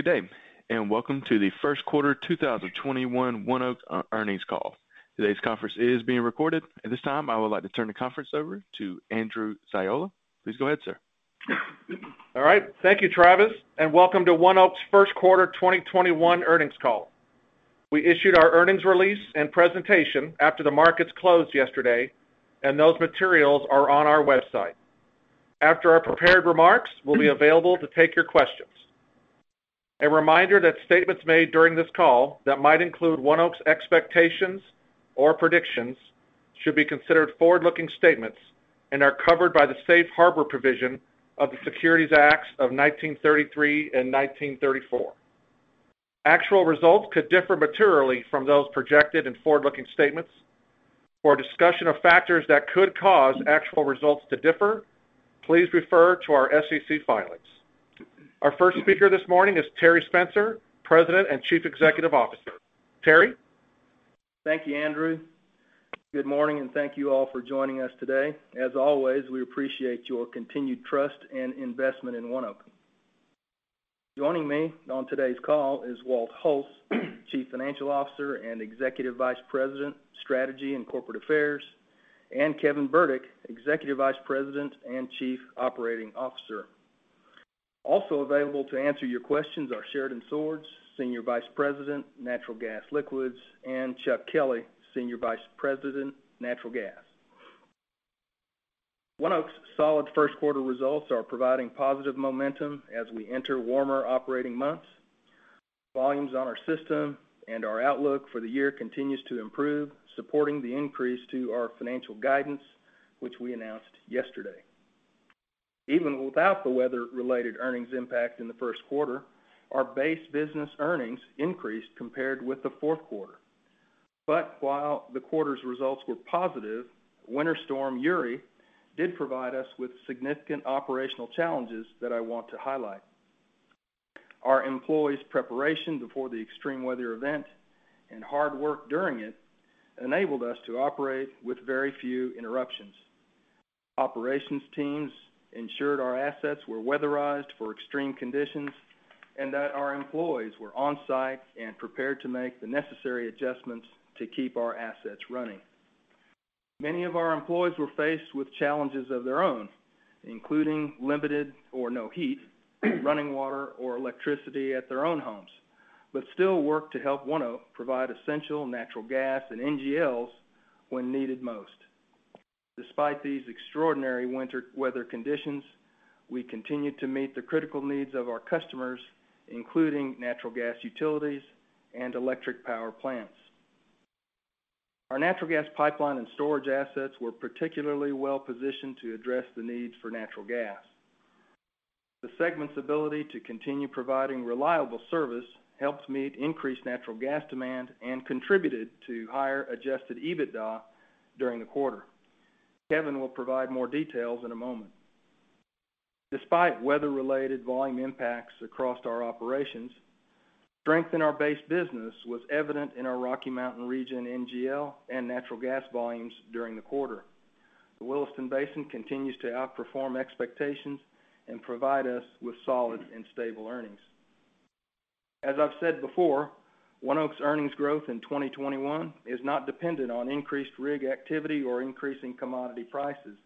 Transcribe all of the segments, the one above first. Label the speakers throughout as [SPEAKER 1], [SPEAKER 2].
[SPEAKER 1] Good day, welcome to the first quarter 2021 ONEOK Earnings Call. Today's conference is being recorded. At this time, I would like to turn the conference over to Andrew Ziola. Please go ahead, sir.
[SPEAKER 2] All right. Thank you, Travis, and welcome to ONEOK's first quarter 2021 earnings call. We issued our earnings release and presentation after the markets closed yesterday, and those materials are on our website. After our prepared remarks, we will be available to take your questions. A reminder that statements made during this call that might include ONEOK's expectations or predictions should be considered forward-looking statements and are covered by the safe harbor provision of the Securities Act of 1933 and the Securities Exchange Act of 1934. Actual results could differ materially from those projected in forward-looking statements. For a discussion of factors that could cause actual results to differ, please refer to our SEC filings. Our first speaker this morning is Terry Spencer, President and Chief Executive Officer. Terry?
[SPEAKER 3] Thank you, Andrew. Good morning, thank you all for joining us today. As always, we appreciate your continued trust and investment in ONEOK. Joining me on today's call is Walt Hulse, Chief Financial Officer and Executive Vice President, Strategy and Corporate Affairs, and Kevin Burdick, Executive Vice President and Chief Operating Officer. Also available to answer your questions are Sheridan Swords, Senior Vice President, Natural Gas Liquids, and Chuck Kelley, Senior Vice President, Natural Gas. ONEOK's solid first quarter results are providing positive momentum as we enter warmer operating months. Volumes on our system and our outlook for the year continues to improve, supporting the increase to our financial guidance, which we announced yesterday. Even without the weather-related earnings impact in the first quarter, our base business earnings increased compared with the fourth quarter. While the quarter's results were positive, Winter Storm Uri did provide us with significant operational challenges that I want to highlight. Our employees' preparation before the extreme weather event and hard work during it enabled us to operate with very few interruptions. Operations teams ensured our assets were weatherized for extreme conditions and that our employees were on-site and prepared to make the necessary adjustments to keep our assets running. Many of our employees were faced with challenges of their own, including limited or no heat, running water, or electricity at their own homes, but still worked to help ONEOK provide essential natural gas and NGLs when needed most. Despite these extraordinary winter weather conditions, we continued to meet the critical needs of our customers, including natural gas utilities and electric power plants. Our natural gas pipeline and storage assets were particularly well-positioned to address the needs for natural gas. The segment's ability to continue providing reliable service helped meet increased natural gas demand and contributed to higher adjusted EBITDA during the quarter. Kevin will provide more details in a moment. Despite weather-related volume impacts across our operations, strength in our base business was evident in our Rocky Mountain region NGL and natural gas volumes during the quarter. The Williston Basin continues to outperform expectations and provide us with solid and stable earnings. As I've said before, ONEOK's earnings growth in 2021 is not dependent on increased rig activity or increasing commodity prices.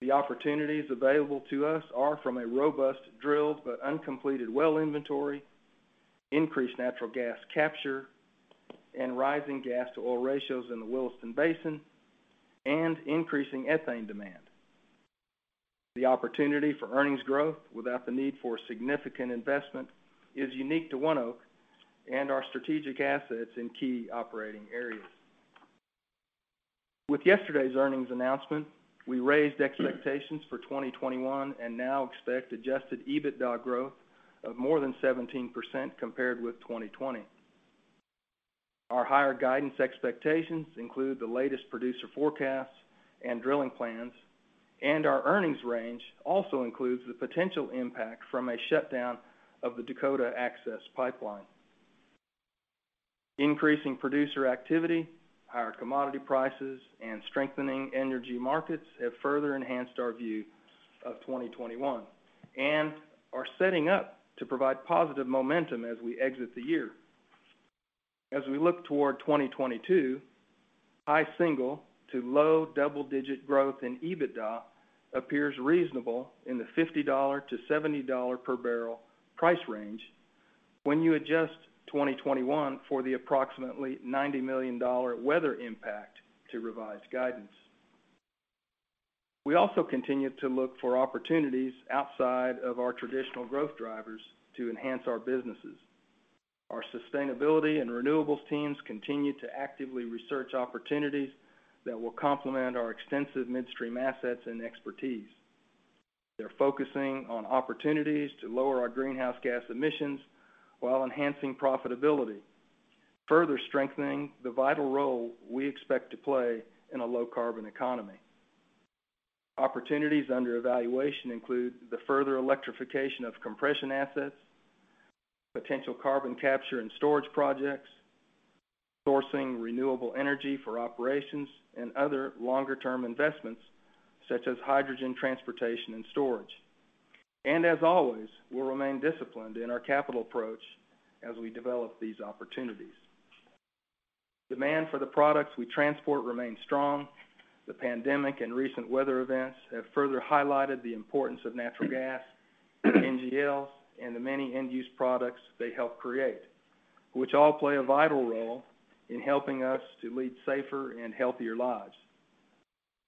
[SPEAKER 3] The opportunities available to us are from a robust drilled but uncompleted well inventory, increased natural gas capture, and rising gas-to-oil ratios in the Williston Basin, and increasing ethane demand. The opportunity for earnings growth without the need for significant investment is unique to ONEOK and our strategic assets in key operating areas. With yesterday's earnings announcement, we raised expectations for 2021 and now expect adjusted EBITDA growth of more than 17% compared with 2020. Our higher guidance expectations include the latest producer forecasts and drilling plans, and our earnings range also includes the potential impact from a shutdown of the Dakota Access Pipeline. Increasing producer activity, higher commodity prices, and strengthening energy markets have further enhanced our view of 2021 and are setting up to provide positive momentum as we exit the year. As we look toward 2022, high single to low double-digit growth in EBITDA appears reasonable in the $50-$70 per barrel price range when you adjust 2021 for the approximately $90 million weather impact to revised guidance. We also continue to look for opportunities outside of our traditional growth drivers to enhance our businesses. Our sustainability and renewables teams continue to actively research opportunities that will complement our extensive midstream assets and expertise. They're focusing on opportunities to lower our greenhouse gas emissions while enhancing profitability, further strengthening the vital role we expect to play in a low-carbon economy. Opportunities under evaluation include the further electrification of compression assets, potential carbon capture and storage projects, sourcing renewable energy for operations and other longer-term investments, such as hydrogen transportation and storage. As always, we'll remain disciplined in our capital approach as we develop these opportunities. Demand for the products we transport remains strong. The pandemic and recent weather events have further highlighted the importance of natural gas, NGLs, and the many end-use products they help create, which all play a vital role in helping us to lead safer and healthier lives.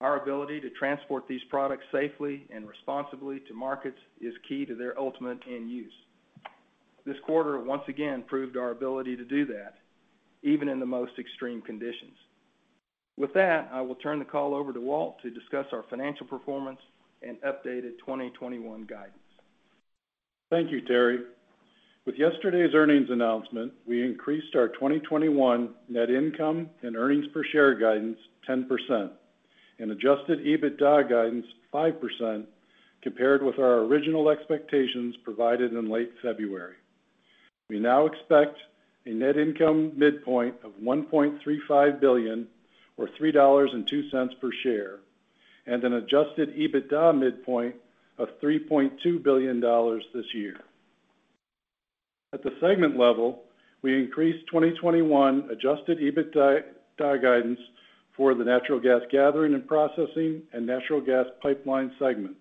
[SPEAKER 3] Our ability to transport these products safely and responsibly to markets is key to their ultimate end use. This quarter, once again, proved our ability to do that, even in the most extreme conditions. With that, I will turn the call over to Walt to discuss our financial performance and updated 2021 guidance.
[SPEAKER 4] Thank you, Terry. With yesterday's earnings announcement, we increased our 2021 net income and earnings per share guidance 10%, and adjusted EBITDA guidance 5%, compared with our original expectations provided in late February. We now expect a net income midpoint of $1.35 billion or $3.02 per share, and an adjusted EBITDA midpoint of $3.2 billion this year. At the segment level, we increased 2021 adjusted EBITDA guidance for the Natural Gas Gathering and Processing and Natural Gas Pipeline segments,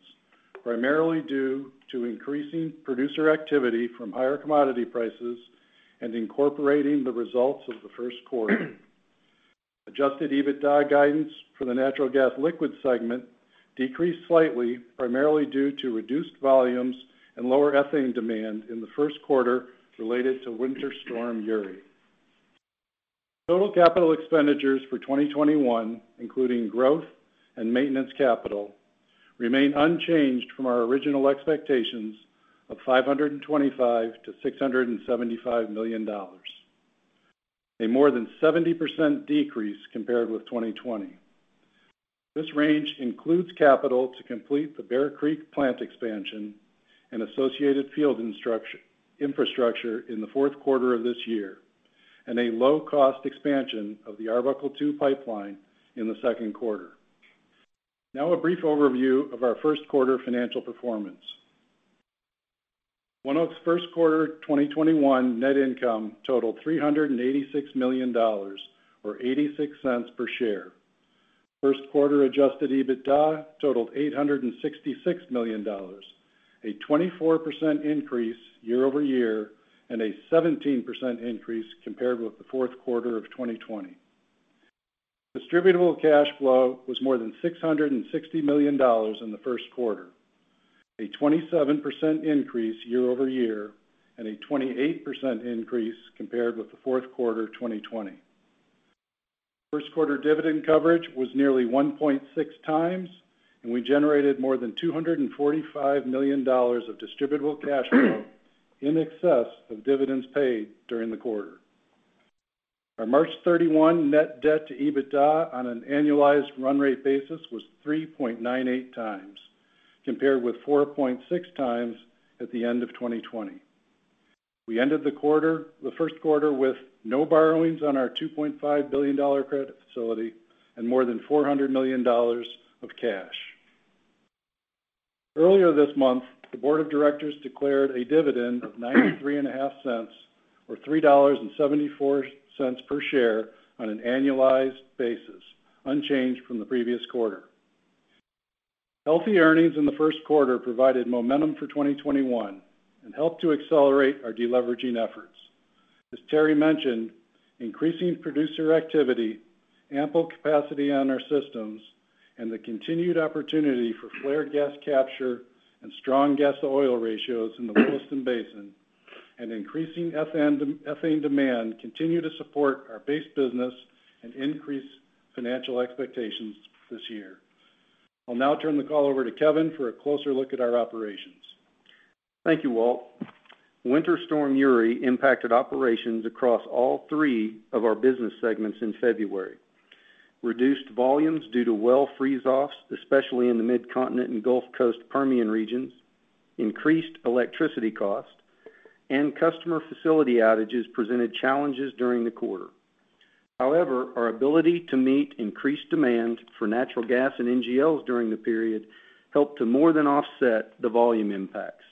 [SPEAKER 4] primarily due to increasing producer activity from higher commodity prices and incorporating the results of the first quarter. Adjusted EBITDA guidance for the Natural Gas Liquid segment decreased slightly, primarily due to reduced volumes and lower ethane demand in the first quarter related to Winter Storm Uri. Total capital expenditures for 2021, including growth and maintenance capital, remain unchanged from our original expectations of $525 million-$675 million, a more than 70% decrease compared with 2020. This range includes capital to complete the Bear Creek plant expansion and associated field infrastructure in the fourth quarter of this year, and a low-cost expansion of the Arbuckle II Pipeline in the second quarter. A brief overview of our first quarter financial performance. ONEOK's first quarter 2021 net income totaled $386 million, or $0.86 per share. First quarter adjusted EBITDA totaled $866 million, a 24% increase year-over-year, and a 17% increase compared with the fourth quarter of 2020. Distributable cash flow was more than $660 million in the first quarter, a 27% increase year-over-year, and a 28% increase compared with the fourth quarter 2020. First quarter dividend coverage was nearly 1.6x, and we generated more than $245 million of distributable cash flow in excess of dividends paid during the quarter. Our March 31 net debt to EBITDA on an annualized run rate basis was 3.98x, compared with 4.6x at the end of 2020. We ended the first quarter with no borrowings on our $2.5 billion credit facility and more than $400 million of cash. Earlier this month, the board of directors declared a dividend of $0.935, or $3.74 per share on an annualized basis, unchanged from the previous quarter. Healthy earnings in the first quarter provided momentum for 2021, and helped to accelerate our deleveraging efforts. As Terry mentioned, increasing producer activity, ample capacity on our systems, and the continued opportunity for flared gas capture and strong gas-to-oil ratios in the Williston Basin, and increasing ethane demand continue to support our base business and increase financial expectations this year. I'll now turn the call over to Kevin for a closer look at our operations.
[SPEAKER 5] Thank you, Walt. Winter Storm Uri impacted operations across all three of our business segments in February. Reduced volumes due to well freeze-offs, especially in the Mid-Continent and Gulf Coast Permian regions, increased electricity cost, and customer facility outages presented challenges during the quarter. Our ability to meet increased demand for natural gas and NGLs during the period helped to more than offset the volume impacts.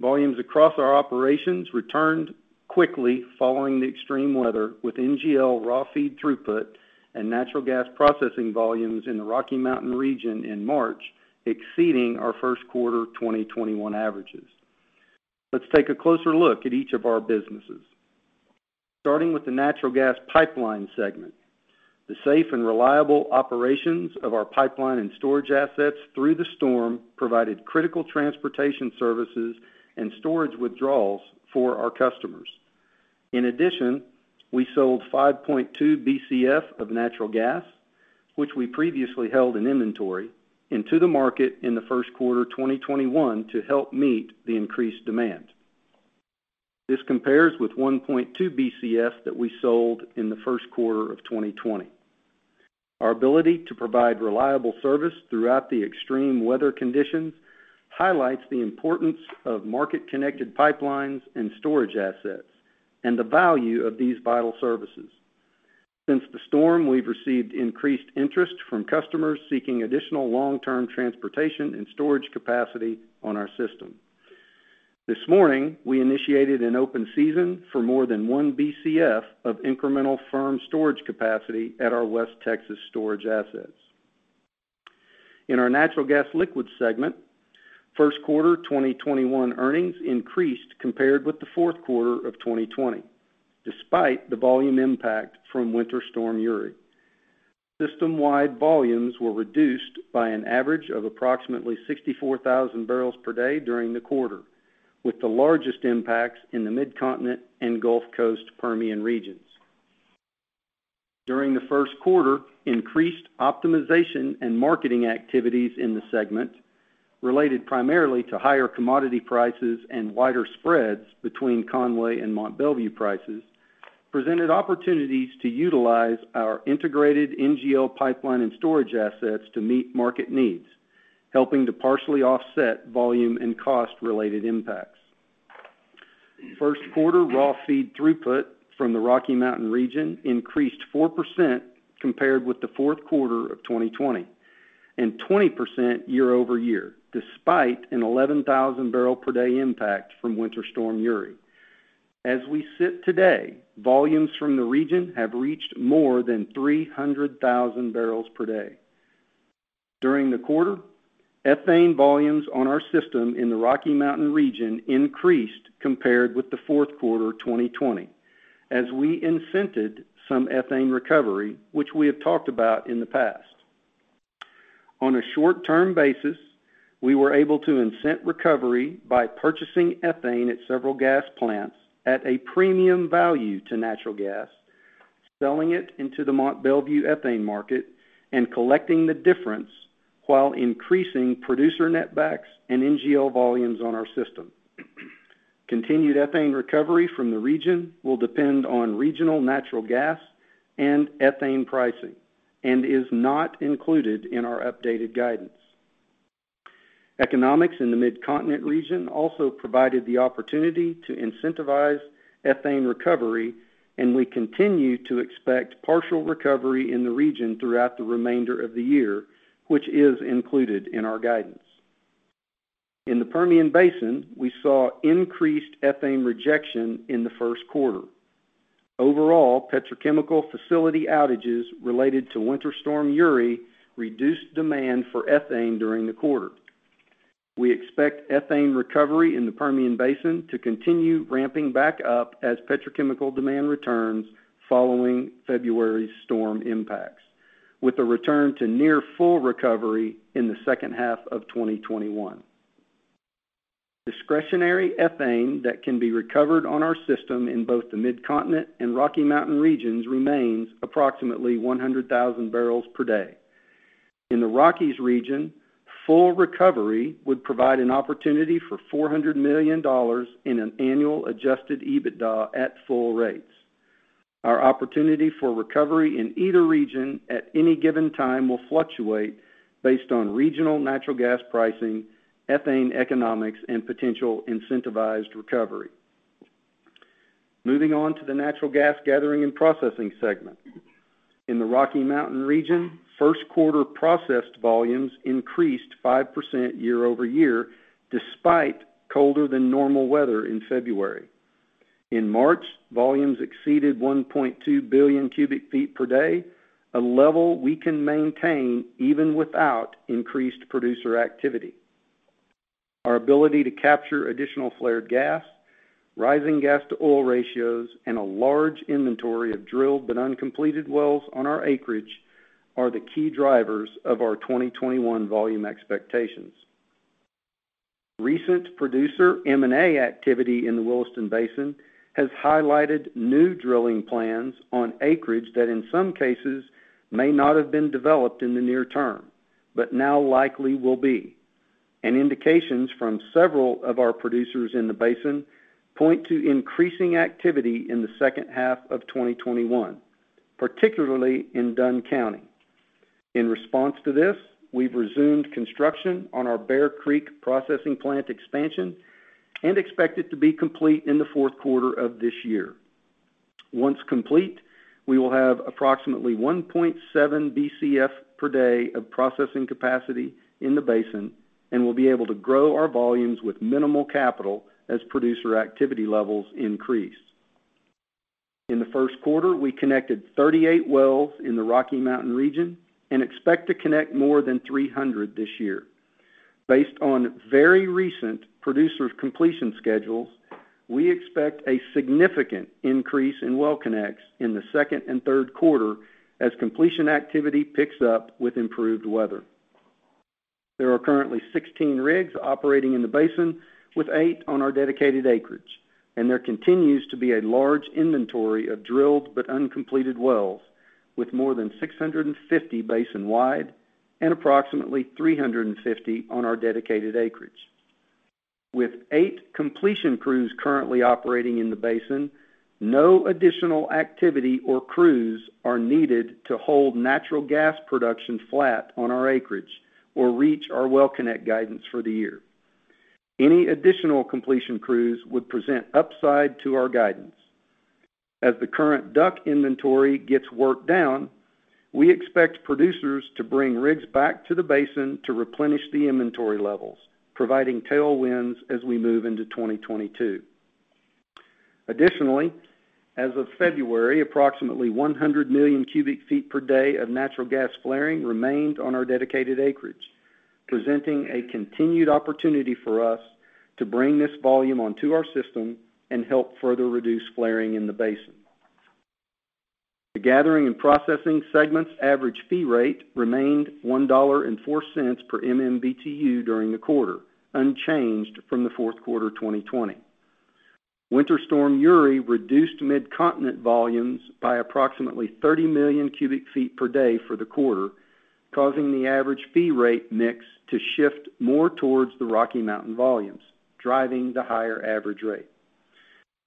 [SPEAKER 5] Volumes across our operations returned quickly following the extreme weather, with NGL raw feed throughput and natural gas processing volumes in the Rocky Mountain region in March exceeding our first quarter 2021 averages. Let's take a closer look at each of our businesses. Starting with the Natural Gas Pipeline Segment. The safe and reliable operations of our pipeline and storage assets through the storm provided critical transportation services and storage withdrawals for our customers. We sold 5.2 billion cu ft of natural gas, which we previously held in inventory, into the market in the first quarter 2021 to help meet the increased demand. This compares with 1.2 billion cu ft that we sold in the first quarter of 2020. Our ability to provide reliable service throughout the extreme weather conditions highlights the importance of market-connected pipelines and storage assets and the value of these vital services. Since the storm, we've received increased interest from customers seeking additional long-term transportation and storage capacity on our system. This morning, we initiated an open season for more than 1 billion cu ft of incremental firm storage capacity at our West Texas storage assets. In our Natural Gas Liquids Segment, first quarter 2021 earnings increased compared with the fourth quarter of 2020, despite the volume impact from Winter Storm Uri. System-wide volumes were reduced by an average of approximately 64,000 barrels per day during the quarter, with the largest impacts in the Midcontinent and Gulf Coast Permian regions. During the first quarter, increased optimization and marketing activities in the segment, related primarily to higher commodity prices and wider spreads between Conway and Mont Belvieu prices, presented opportunities to utilize our integrated NGL pipeline and storage assets to meet market needs, helping to partially offset volume and cost-related impacts. First quarter raw feed throughput from the Rocky Mountain region increased 4% compared with the fourth quarter of 2020, and 20% year-over-year, despite an 11,000 barrel per day impact from Winter Storm Uri. As we sit today, volumes from the region have reached more than 300,000 barrels per day. During the quarter, ethane volumes on our system in the Rocky Mountain region increased compared with the fourth quarter 2020, as we incented some ethane recovery, which we have talked about in the past. On a short-term basis, we were able to incent recovery by purchasing ethane at several gas plants at a premium value to natural gas, selling it into the Mont Belvieu ethane market, and collecting the difference while increasing producer netbacks and NGL volumes on our system. Continued ethane recovery from the region will depend on regional natural gas and ethane pricing and is not included in our updated guidance. Economics in the Midcontinent region also provided the opportunity to incentivize ethane recovery, and we continue to expect partial recovery in the region throughout the remainder of the year, which is included in our guidance. In the Permian Basin, we saw increased ethane rejection in the first quarter. Overall, petrochemical facility outages related to Winter Storm Uri reduced demand for ethane during the quarter. We expect ethane recovery in the Permian Basin to continue ramping back up as petrochemical demand returns following February's storm impacts, with a return to near full recovery in the second half of 2021. Discretionary ethane that can be recovered on our system in both the Midcontinent and Rocky Mountain regions remains approximately 100,000 barrels per day. In the Rockies region, full recovery would provide an opportunity for $400 million in an annual adjusted EBITDA at full rates. Our opportunity for recovery in either region at any given time will fluctuate based on regional natural gas pricing, ethane economics, and potential incentivized recovery. Moving on to the natural gas gathering and processing segment. In the Rocky Mountain region, first quarter processed volumes increased 5% year-over-year despite colder than normal weather in February. In March, volumes exceeded 1.2 billion cu ft per day, a level we can maintain even without increased producer activity. Our ability to capture additional flared gas, rising gas-to-oil ratios, and a large inventory of drilled but uncompleted wells on our acreage are the key drivers of our 2021 volume expectations. Recent producer M&A activity in the Williston Basin has highlighted new drilling plans on acreage that in some cases may not have been developed in the near term, but now likely will be. Indications from several of our producers in the basin point to increasing activity in the second half of 2021, particularly in Dunn County. In response to this, we've resumed construction on our Bear Creek processing plant expansion and expect it to be complete in the fourth quarter of this year. Once complete, we will have approximately 1.7 billion cu ft per day of processing capacity in the basin and will be able to grow our volumes with minimal capital as producer activity levels increase. In the first quarter, we connected 38 wells in the Rocky Mountain region and expect to connect more than 300 this year. Based on very recent producer completion schedules, we expect a significant increase in well connects in the second and third quarter as completion activity picks up with improved weather. There are currently 16 rigs operating in the basin, with eight on our dedicated acreage, and there continues to be a large inventory of drilled but uncompleted wells with more than 650 basin-wide and approximately 350 on our dedicated acreage. With eight completion crews currently operating in the basin, no additional activity or crews are needed to hold natural gas production flat on our acreage or reach our WellConnect guidance for the year. Any additional completion crews would present upside to our guidance. As the current DUC inventory gets worked down, we expect producers to bring rigs back to the basin to replenish the inventory levels, providing tailwinds as we move into 2022. Additionally, as of February, approximately 100 million cu ft per day of natural gas flaring remained on our dedicated acreage, presenting a continued opportunity for us to bring this volume onto our system and help further reduce flaring in the basin. The gathering and processing segment's average fee rate remained $1.04 per MMBtu during the quarter, unchanged from the fourth quarter 2020. Winter Storm Uri reduced Mid-Continent volumes by approximately 30 million cu ft per day for the quarter, causing the average fee rate mix to shift more towards the Rocky Mountain volumes, driving the higher average rate.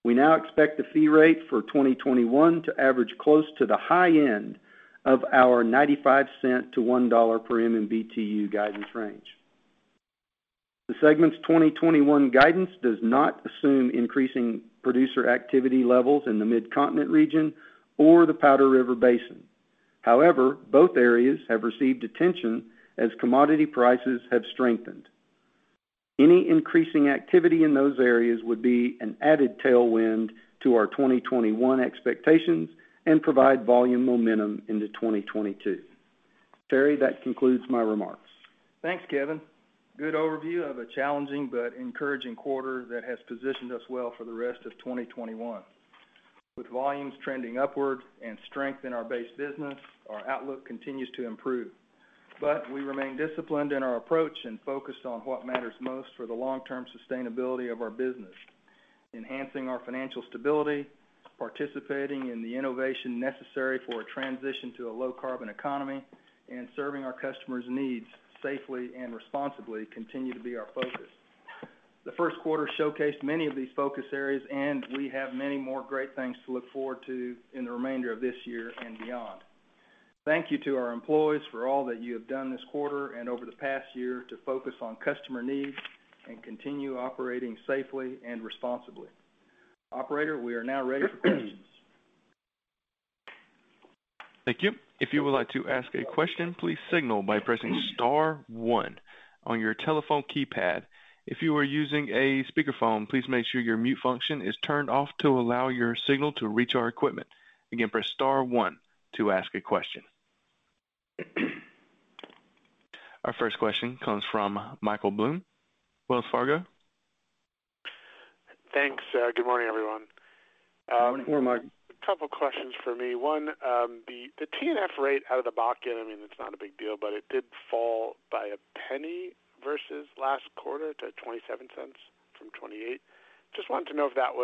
[SPEAKER 5] We now expect the fee rate for 2021 to average close to the high end of our $0.95-$1 per MMBtu guidance range. The segment's 2021 guidance does not assume increasing producer activity levels in the Mid-Continent region or the Powder River Basin. Both areas have received attention as commodity prices have strengthened. Any increasing activity in those areas would be an added tailwind to our 2021 expectations and provide volume momentum into 2022. Terry, that concludes my remarks.
[SPEAKER 3] Thanks, Kevin. Good overview of a challenging but encouraging quarter that has positioned us well for the rest of 2021. With volumes trending upward and strength in our base business, our outlook continues to improve. We remain disciplined in our approach and focused on what matters most for the long-term sustainability of our business. Enhancing our financial stability, participating in the innovation necessary for a transition to a low-carbon economy, and serving our customers' needs safely and responsibly continue to be our focus. The first quarter showcased many of these focus areas, and we have many more great things to look forward to in the remainder of this year and beyond. Thank you to our employees for all that you have done this quarter and over the past year to focus on customer needs and continue operating safely and responsibly. Operator, we are now ready for questions.
[SPEAKER 1] Thank you. If you would like to ask a question, please signal by pressing star one on your telephone keypad. If you are using a speakerphone, please make sure your mute function is turned off to allow your signal to reach our equipment. Again, press star one to ask a question. Our first question comes from Michael Blum, Wells Fargo.
[SPEAKER 6] Thanks. Good morning, everyone.
[SPEAKER 3] Good morning, Michael.
[SPEAKER 6] A couple questions for me. One, the T&F rate out of the Bakken, it's not a big deal, but it did fall by $0.01 versus last quarter to $0.27 from $0.28. Just wanted to know if that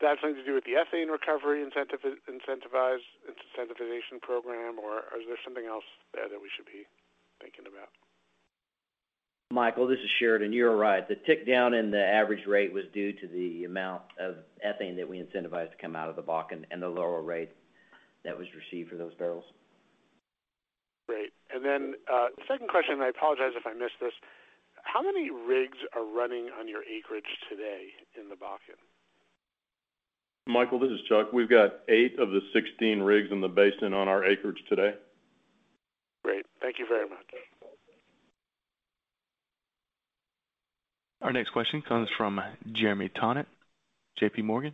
[SPEAKER 6] had something to do with the ethane recovery incentivization program, or is there something else there that we should be thinking about?
[SPEAKER 7] Michael, this is Sheridan. You are right. The tick down in the average rate was due to the amount of ethane that we incentivized to come out of the Bakken and the lower rate that was received for those barrels.
[SPEAKER 6] Great. Then, second question, I apologize if I missed this. How many rigs are running on your acreage today in the Bakken?
[SPEAKER 8] Michael, this is Chuck. We've got eight of the 16 rigs in the basin on our acreage today.
[SPEAKER 6] Great. Thank you very much.
[SPEAKER 1] Our next question comes from Jeremy Tonet, JPMorgan.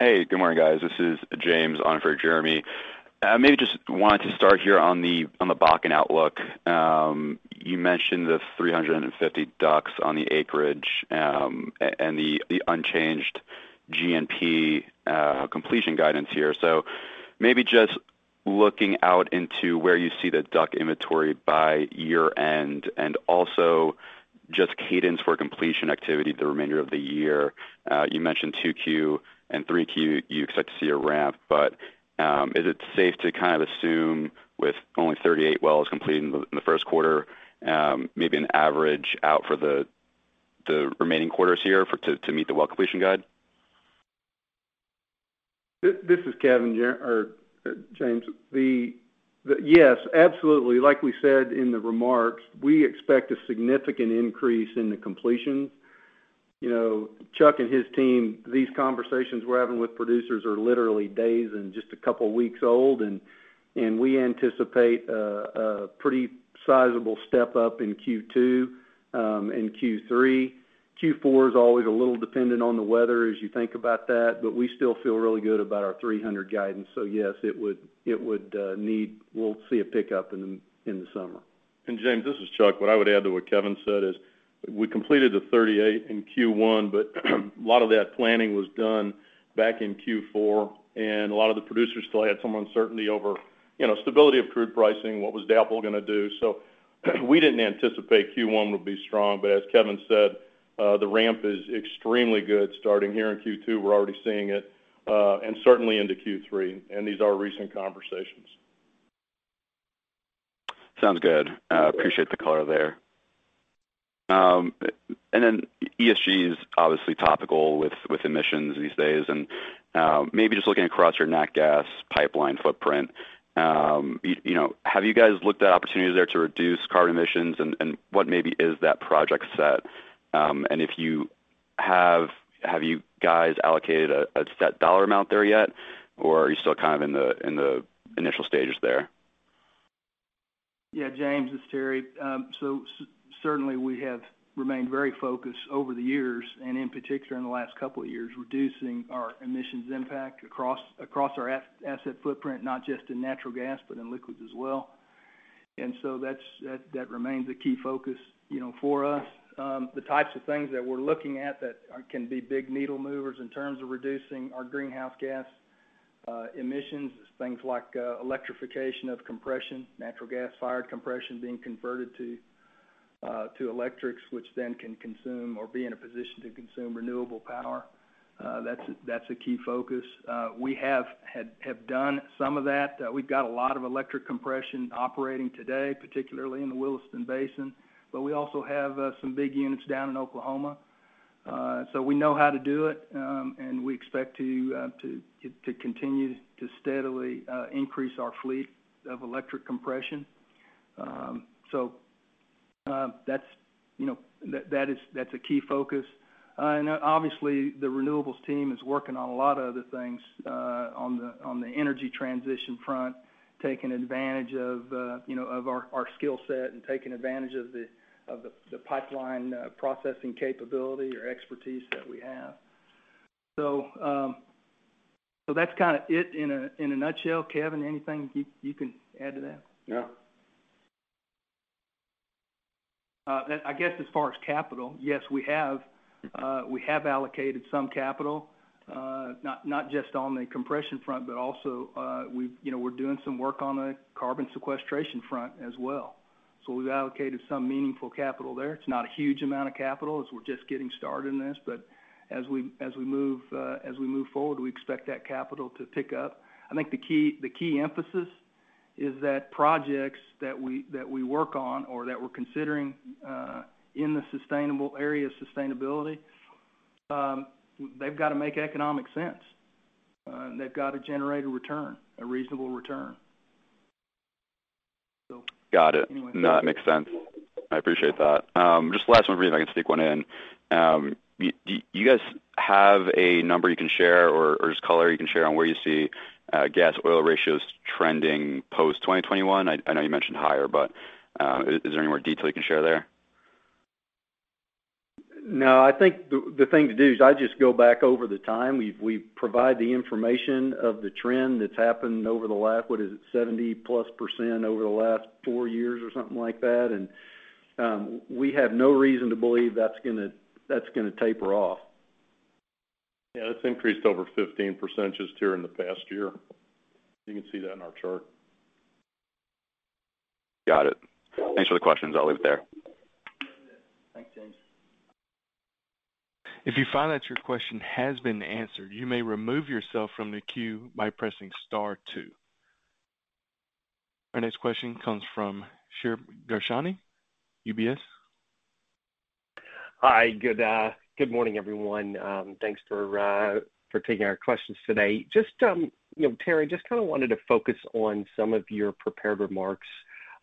[SPEAKER 9] Good morning, guys. This is James on for Jeremy. Just wanted to start here on the Bakken outlook. You mentioned the 350 DUCs on the acreage, and the unchanged G&P completion guidance here. Just looking out into where you see the DUC inventory by year-end, and also just cadence for completion activity the remainder of the year. You mentioned 2Q and 3Q you expect to see a ramp, is it safe to assume with only 38 wells completed in the first quarter, maybe an average out for the remaining quarters here to meet the well completion guide?
[SPEAKER 5] This is Kevin, James. Yes, absolutely. Like we said in the remarks, we expect a significant increase in the completions. Chuck and his team, these conversations we're having with producers are literally days and just a couple weeks old, and we anticipate a pretty sizable step-up in Q2 and Q3. Q4 is always a little dependent on the weather as you think about that, but we still feel really good about our 300 guidance. Yes, we'll see a pickup in the summer.
[SPEAKER 8] James, this is Chuck. What I would add to what Kevin said is we completed the 38 in Q1, but a lot of that planning was done back in Q4, and a lot of the producers still had some uncertainty over stability of crude pricing, what was DAPL going to do. We didn't anticipate Q1 would be strong, but as Kevin said, the ramp is extremely good starting here in Q2, we're already seeing it, and certainly into Q3. These are recent conversations.
[SPEAKER 9] Sounds good. Appreciate the color there. ESG is obviously topical with emissions these days, maybe just looking across your natural gas pipeline footprint. Have you guys looked at opportunities there to reduce carbon emissions and what maybe is that project set? If you have you guys allocated a set dollar amount there yet, or are you still in the initial stages there?
[SPEAKER 3] Yeah, James, it's Terry. Certainly we have remained very focused over the years, and in particular in the last couple of years, reducing our emissions impact across our asset footprint, not just in natural gas, but in liquids as well. That remains a key focus for us. The types of things that we're looking at that can be big needle movers in terms of reducing our greenhouse gas emissions is things like electrification of compression, natural gas-fired compression being converted to electrics, which then can consume or be in a position to consume renewable power. That's a key focus. We have done some of that. We've got a lot of electric compression operating today, particularly in the Williston Basin, but we also have some big units down in Oklahoma. We know how to do it. We expect to continue to steadily increase our fleet of electric compression. That's a key focus. Obviously the renewables team is working on a lot of other things on the energy transition front, taking advantage of our skill set and taking advantage of the pipeline processing capability or expertise that we have. That's it in a nutshell. Kevin, anything you can add to that?
[SPEAKER 5] No.
[SPEAKER 3] I guess as far as capital, yes, we have allocated some capital. Not just on the compression front, but also we're doing some work on the carbon sequestration front as well. We've allocated some meaningful capital there. It's not a huge amount of capital as we're just getting started in this, but as we move forward, we expect that capital to tick up. I think the key emphasis is that projects that we work on or that we're considering in the sustainable area of sustainability, they've got to make economic sense. They've got to generate a return, a reasonable return.
[SPEAKER 9] Got it. No, that makes sense. I appreciate that. Just last one for you, if I can sneak one in. Do you guys have a number you can share or just color you can share on where you see gas oil ratios trending post 2021? I know you mentioned higher, is there any more detail you can share there?
[SPEAKER 3] No, I think the thing to do is I just go back over the time. We provide the information of the trend that's happened over the last, what is it, 70+% over the last four years or something like that. We have no reason to believe that's going to taper off.
[SPEAKER 5] Yeah, it's increased over 15% just here in the past year. You can see that in our chart.
[SPEAKER 9] Got it. Thanks for the questions. I'll leave it there.
[SPEAKER 1] If you find that your question has been answered, you may remove yourself from the queue by pressing star two. Our next question comes from Shneur Gershuni, UBS.
[SPEAKER 10] Hi. Good morning, everyone. Thanks for taking our questions today. Terry, just wanted to focus on some of your prepared remarks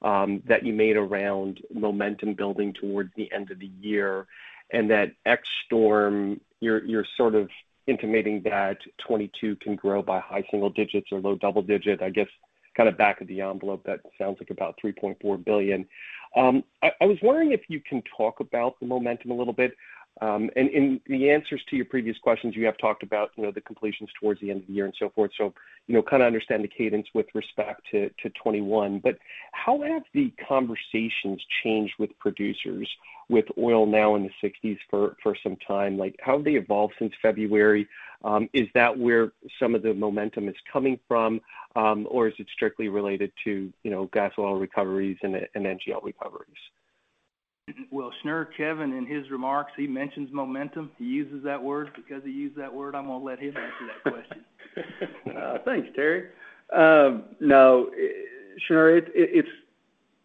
[SPEAKER 10] that you made around momentum building towards the end of the year and that ex-storm, you're sort of intimating that 2022 can grow by high single digits or low double digit. I guess, back of the envelope, that sounds like about $3.4 billion. I was wondering if you can talk about the momentum a little bit. In the answers to your previous questions, you have talked about the completions towards the end of the year and so forth, so kind of understand the cadence with respect to 2021. How have the conversations changed with producers with oil now in the 60s for some time? How have they evolved since February? Is that where some of the momentum is coming from? Is it strictly related to gas oil recoveries and NGL recoveries?
[SPEAKER 3] Well, Shneur, Kevin, in his remarks, he mentions momentum. He uses that word. Because he used that word, I'm going to let him answer that question.
[SPEAKER 5] Thanks, Terry. Shneur,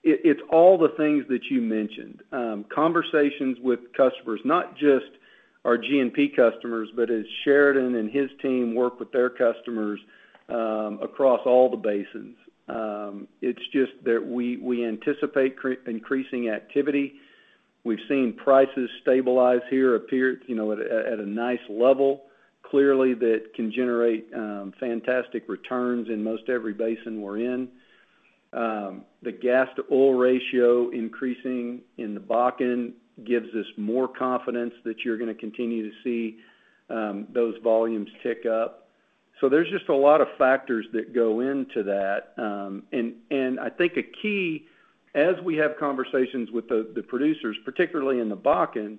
[SPEAKER 5] it's all the things that you mentioned. Conversations with customers, not just our G&P customers, but as Sheridan and his team work with their customers across all the basins. It's just that we anticipate increasing activity. We've seen prices stabilize here, appear at a nice level. Clearly, that can generate fantastic returns in most every basin we're in. The gas to oil ratio increasing in the Bakken gives us more confidence that you're going to continue to see those volumes tick up. There's just a lot of factors that go into that. I think a key, as we have conversations with the producers, particularly in the Bakken,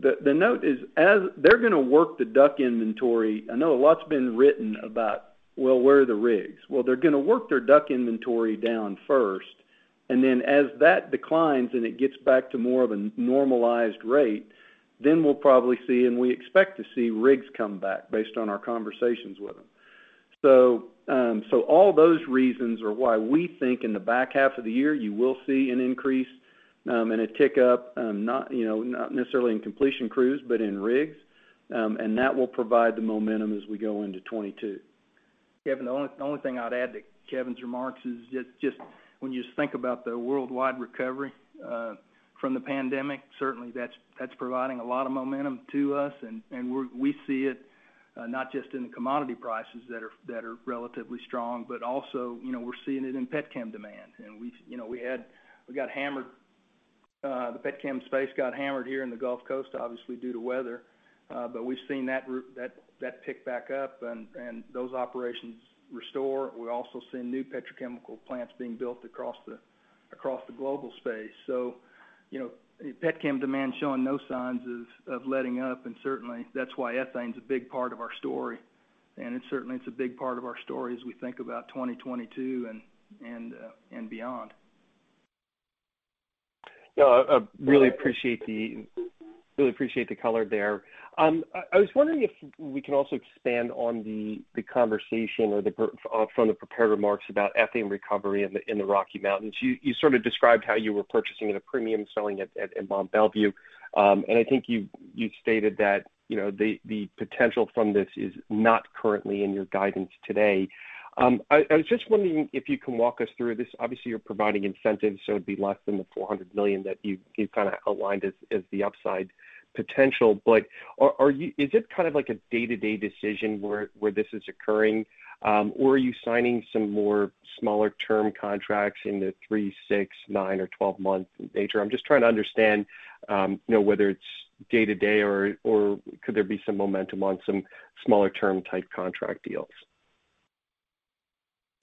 [SPEAKER 5] the note is they're going to work the DUC inventory. I know a lot's been written about, well, where are the rigs? Well, they're going to work their DUC inventory down first. As that declines and it gets back to more of a normalized rate, then we'll probably see, and we expect to see rigs come back based on our conversations with them. All those reasons are why we think in the back half of the year, you will see an increase and a tick up, not necessarily in completion crews, but in rigs. That will provide the momentum as we go into 2022.
[SPEAKER 3] Kevin, the only thing I'd add to Kevin's remarks is just when you think about the worldwide recovery from the pandemic, certainly that's providing a lot of momentum to us and we see it not just in the commodity prices that are relatively strong, but also we're seeing it in pet chem demand. The pet chem space got hammered here in the Gulf Coast, obviously, due to weather. We've seen that pick back up and those operations restore. We also see new petrochemical plants being built across the global space. Pet chem demand's showing no signs of letting up. Certainly, that's why ethane's a big part of our story, and certainly it's a big part of our story as we think about 2022 and beyond.
[SPEAKER 10] No, I really appreciate the color there. I was wondering if we can also expand on the conversation or from the prepared remarks about ethane recovery in the Rocky Mountains. You sort of described how you were purchasing at a premium, selling at Mont Belvieu. I think you stated that the potential from this is not currently in your guidance today. I was just wondering if you can walk us through this. Obviously, you're providing incentives, so it'd be less than the $400 million that you've kind of outlined as the upside potential. Is it kind of like a day-to-day decision where this is occurring? Are you signing some more smaller term contracts in the three, six, nine, or 12-month nature? I'm just trying to understand whether it's day-to-day or could there be some momentum on some smaller term type contract deals?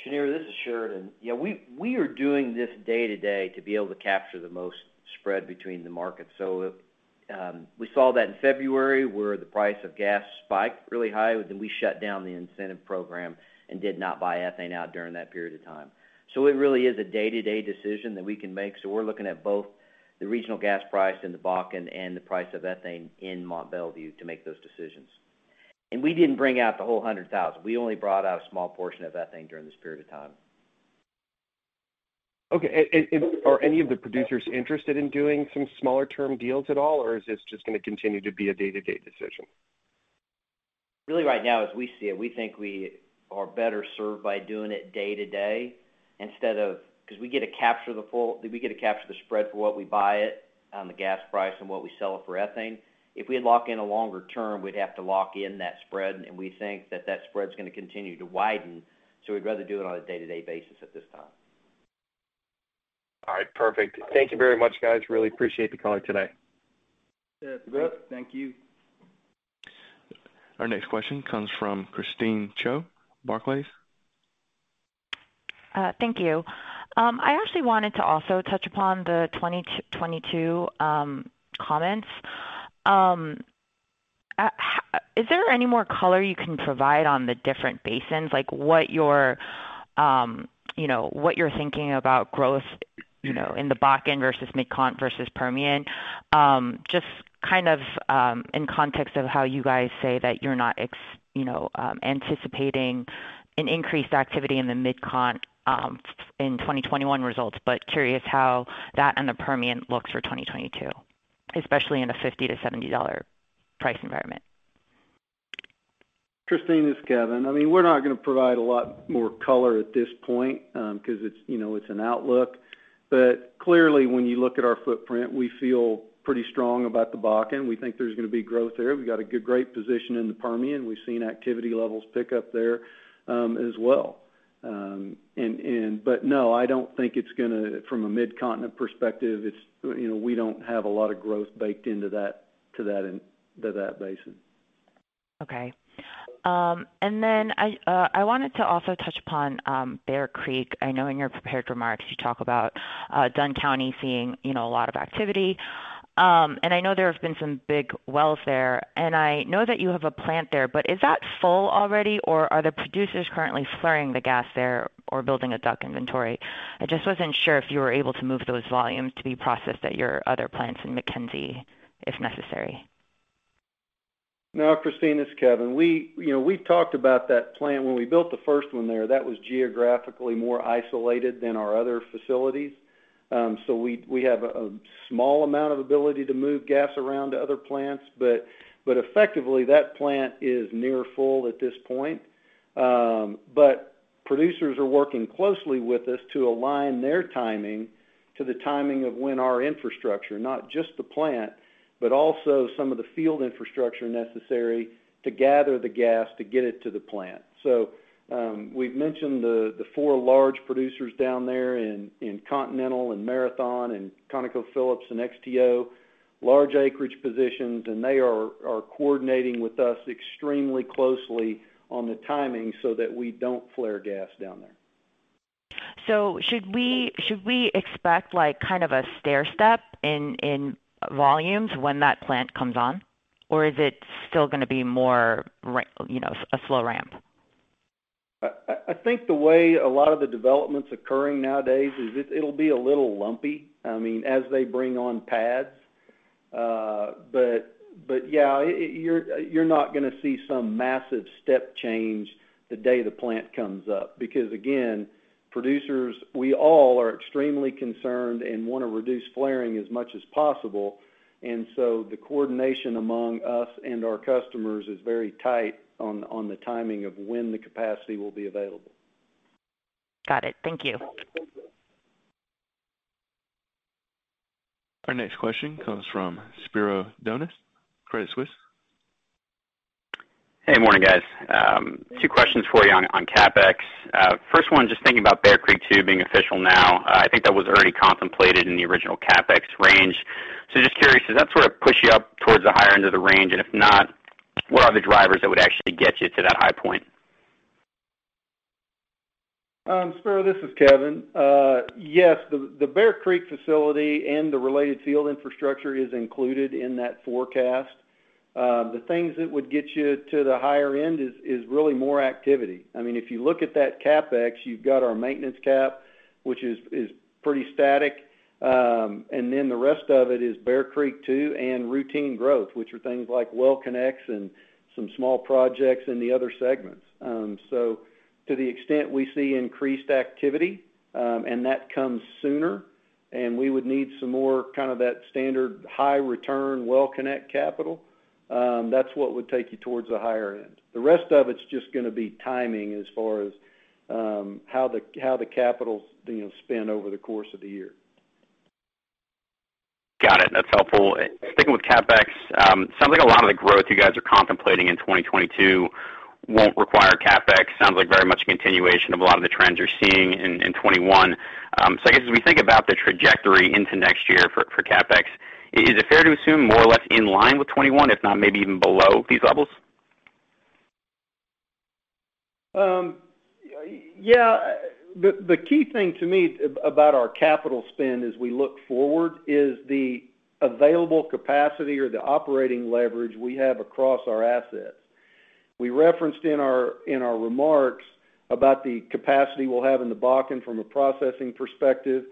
[SPEAKER 7] Shneur, this is Sheridan. Yeah, we are doing this day to day to be able to capture the most spread between the markets. We saw that in February, where the price of gas spiked really high. We shut down the incentive program and did not buy ethane out during that period of time. It really is a day-to-day decision that we can make. We're looking at both the regional gas price in the Bakken and the price of ethane in Mont Belvieu to make those decisions. We didn't bring out the whole 100,000. We only brought out a small portion of ethane during this period of time.
[SPEAKER 10] Okay. Are any of the producers interested in doing some smaller term deals at all, or is this just going to continue to be a day-to-day decision?
[SPEAKER 7] Really right now, as we see it, we think we are better served by doing it day to day because we get to capture the spread for what we buy it on the gas price and what we sell it for ethane. If we lock in a longer term, we'd have to lock in that spread, and we think that spread's going to continue to widen. We'd rather do it on a day-to-day basis at this time.
[SPEAKER 10] All right, perfect. Thank you very much, guys. Really appreciate the color today.
[SPEAKER 3] Yeah. Thank you.
[SPEAKER 5] You bet.
[SPEAKER 1] Our next question comes from Christine Cho, Barclays.
[SPEAKER 11] Thank you. I actually wanted to also touch upon the 2022 comments. Is there any more color you can provide on the different basins, like what you're thinking about growth in the Bakken versus MidCont versus Permian. Just kind of in context of how you guys say that you're not anticipating an increased activity in the MidCont in 2021 results, but curious how that and the Permian looks for 2022, especially in a $50-$70 price environment.
[SPEAKER 5] Christine, it's Kevin. I mean, we're not going to provide a lot more color at this point, because it's an outlook. Clearly, when you look at our footprint, we feel pretty strong about the Bakken. We think there's going to be growth there. We've got a good great position in the Permian. We've seen activity levels pick up there, as well. No, I don't think it's going to, from a Midcontinent perspective, we don't have a lot of growth baked into that basin.
[SPEAKER 11] Okay. Then I wanted to also touch upon Bear Creek. I know in your prepared remarks you talk about Dunn County seeing a lot of activity. I know there have been some big wells there, and I know that you have a plant there, but is that full already or are the producers currently flaring the gas there or building a DUC inventory? I just wasn't sure if you were able to move those volumes to be processed at your other plants in McKenzie if necessary.
[SPEAKER 5] No, Christine, it's Kevin. We've talked about that plant. When we built the first one there, that was geographically more isolated than our other facilities. We have a small amount of ability to move gas around to other plants. Effectively, that plant is near full at this point. Producers are working closely with us to align their timing to the timing of when our infrastructure, not just the plant, but also some of the field infrastructure necessary to gather the gas to get it to the plant. We've mentioned the four large producers down there in Continental, and Marathon, and ConocoPhillips, and XTO. Large acreage positions, they are coordinating with us extremely closely on the timing so that we don't flare gas down there.
[SPEAKER 11] Should we expect kind of a stairstep in volumes when that plant comes on? Or is it still going to be more a slow ramp?
[SPEAKER 5] I think the way a lot of the development's occurring nowadays is it'll be a little lumpy, as they bring on pads. Yeah, you're not going to see some massive step change the day the plant comes up, because again, producers, we all are extremely concerned and want to reduce flaring as much as possible. The coordination among us and our customers is very tight on the timing of when the capacity will be available.
[SPEAKER 11] Got it. Thank you.
[SPEAKER 1] Our next question comes from Spiro Dounis, Credit Suisse.
[SPEAKER 12] Hey, morning, guys. Two questions for you on CapEx. First one, just thinking about Bear Creek II being official now, I think that was already contemplated in the original CapEx range. Just curious, does that sort of push you up towards the higher end of the range? If not, what are the drivers that would actually get you to that high point?
[SPEAKER 5] Spiro, this is Kevin. Yes, the Bear Creek facility and the related field infrastructure is included in that forecast. The things that would get you to the higher end is really more activity. If you look at that CapEx, you've got our maintenance cap, which is pretty static. The rest of it is Bear Creek II and routine growth, which are things like well connects and some small projects in the other segments. To the extent we see increased activity, and that comes sooner, and we would need some more kind of that standard high return well connect capital, that's what would take you towards the higher end. The rest of it's just going to be timing as far as how the capital's being spent over the course of the year.
[SPEAKER 12] Got it. That's helpful. Sticking with CapEx, sounds like a lot of the growth you guys are contemplating in 2022 won't require CapEx. Sounds like very much a continuation of a lot of the trends you're seeing in 2021. I guess, as we think about the trajectory into next year for CapEx, is it fair to assume more or less in line with 2021, if not maybe even below these levels?
[SPEAKER 5] The key thing to me about our capital spend as we look forward is the available capacity or the operating leverage we have across our assets. We referenced in our remarks about the capacity we'll have in the Bakken from a processing perspective.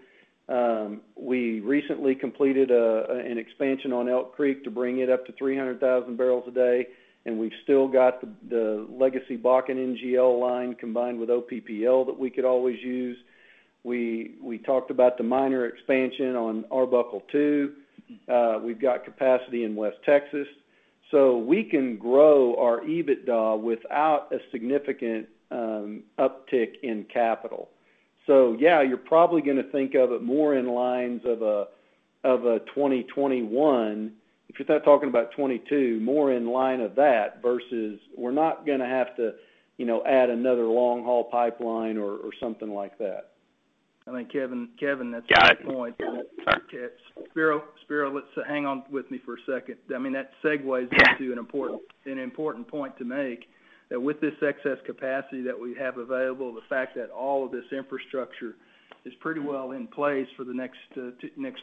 [SPEAKER 5] We recently completed an expansion on Elk Creek to bring it up to 300,000 barrels a day, and we've still got the legacy Bakken NGL line combined with OPPL that we could always use. We talked about the minor expansion on Arbuckle II. We've got capacity in West Texas. We can grow our EBITDA without a significant uptick in capital. You're probably going to think of it more in lines of a 2021, if you're talking about 2022, more in line of that versus we're not going to have to add another long-haul pipeline or something like that.
[SPEAKER 3] I think, Kevin, that's a good point.
[SPEAKER 12] Got it.
[SPEAKER 3] Spiro, hang on with me for a second. That segues into an important point to make, that with this excess capacity that we have available, the fact that all of this infrastructure is pretty well in place for the next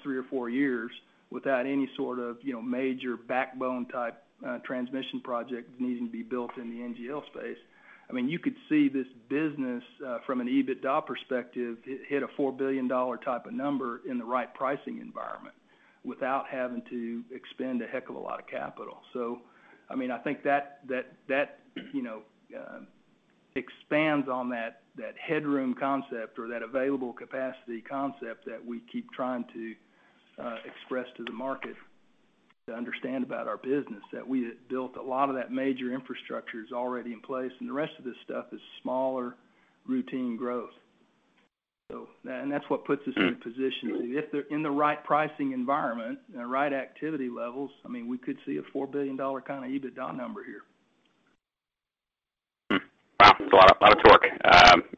[SPEAKER 3] three or four years without any sort of major backbone type transmission project needing to be built in the NGL space. You could see this business, from an EBITDA perspective, hit a $4 billion type of number in the right pricing environment without having to expend a heck of a lot of capital. I think that expands on that headroom concept or that available capacity concept that we keep trying to express to the market to understand about our business. That we had built a lot of that major infrastructure is already in place, and the rest of this stuff is smaller, routine growth. That's what puts us in position. If they're in the right pricing environment and the right activity levels, we could see a $4 billion kind of EBITDA number here.
[SPEAKER 12] Wow. That's a lot of torque.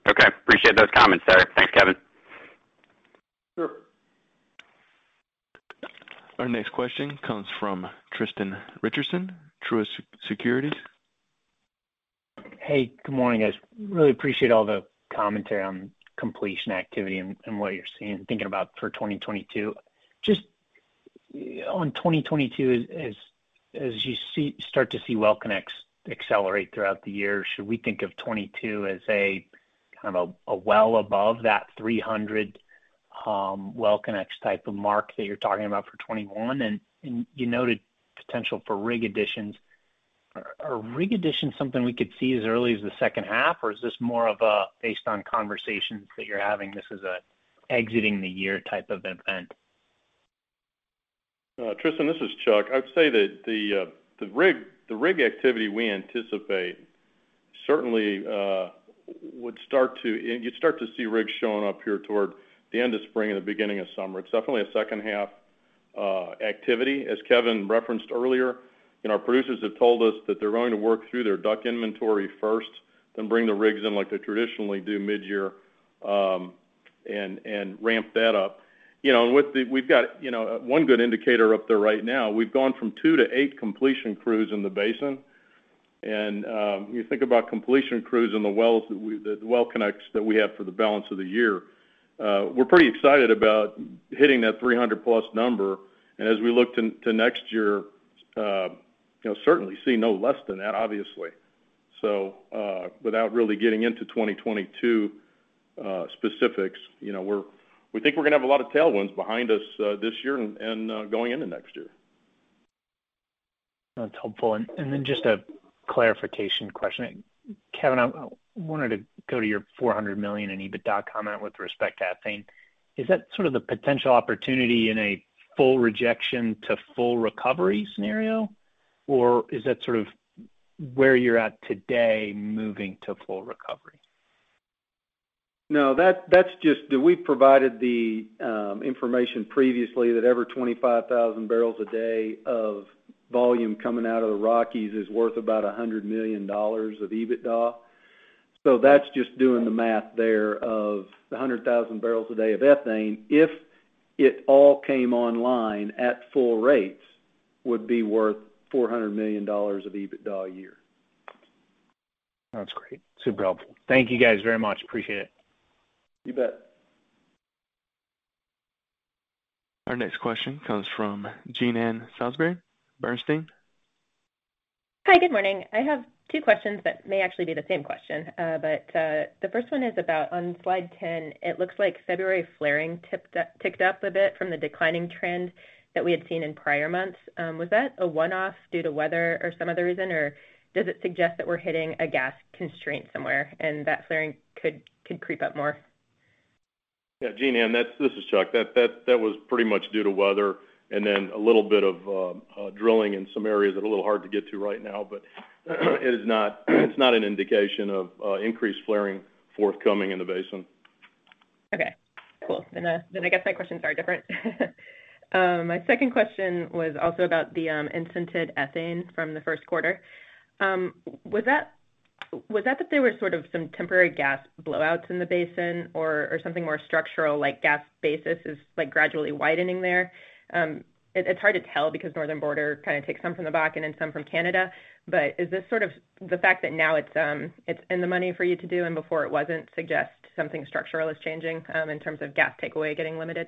[SPEAKER 12] Okay. Appreciate those comments, sir. Thanks, Kevin.
[SPEAKER 3] Sure.
[SPEAKER 1] Our next question comes from Tristan Richardson, Truist Securities.
[SPEAKER 13] Hey, good morning, guys. Really appreciate all the commentary on completion activity and what you're seeing and thinking about for 2022. Just on 2022, as you start to see well connects accelerate throughout the year, should we think of 2022 as a well above that 300 well connects type of mark that you're talking about for 2021? You noted potential for rig additions. Are rig additions something we could see as early as the second half? Is this more of a based on conversations that you're having, this is an exiting the year type of event?
[SPEAKER 8] Tristan, this is Chuck. I would say that the rig activity we anticipate, you'd start to see rigs showing up here toward the end of spring and the beginning of summer. It's definitely a second half activity, as Kevin referenced earlier. Our producers have told us that they're going to work through their DUC inventory first, then bring the rigs in like they traditionally do mid-year, and ramp that up. We've got one good indicator up there right now. We've gone from two to eight completion crews in the Bakken. You think about completion crews and the well connects that we have for the balance of the year. We're pretty excited about hitting that 300+ number. As we look to next year, certainly see no less than that, obviously. Without really getting into 2022 specifics, we think we're going to have a lot of tailwinds behind us this year and going into next year.
[SPEAKER 13] That's helpful. Just a clarification question. Kevin, I wanted to go to your $400 million in EBITDA comment with respect to ethane. Is that sort of the potential opportunity in a full rejection to full recovery scenario? Or is that sort of where you're at today moving to full recovery?
[SPEAKER 5] No, we provided the information previously that every 25,000 barrels a day of volume coming out of the Rockies is worth about $100 million of EBITDA. That's just doing the math there of the 100,000 barrels a day of ethane, if it all came online at full rates, would be worth $400 million of EBITDA a year.
[SPEAKER 13] That's great. Super helpful. Thank you guys very much. Appreciate it.
[SPEAKER 5] You bet.
[SPEAKER 1] Our next question comes from Jean Ann Salisbury, Bernstein.
[SPEAKER 14] Hi. Good morning. I have two questions that may actually be the same question. The first one is about on slide 10, it looks like February flaring ticked up a bit from the declining trend that we had seen in prior months. Was that a one-off due to weather or some other reason, or does it suggest that we're hitting a gas constraint somewhere and that flaring could creep up more?
[SPEAKER 8] Yeah, Jean Ann, this is Chuck. That was pretty much due to weather and then a little bit of drilling in some areas that are a little hard to get to right now, but it's not an indication of increased flaring forthcoming in the basin.
[SPEAKER 14] Okay. Cool. I guess my questions are different. My second question was also about the incented ethane from the first quarter. Was that there were sort of some temporary gas blowouts in the basin, or something more structural like gas basis is gradually widening there? It's hard to tell because Northern Border kind of takes some from the Bakken and then some from Canada. Is this sort of the fact that now it's in the money for you to do and before it wasn't suggest something structural is changing, in terms of gas takeaway getting limited?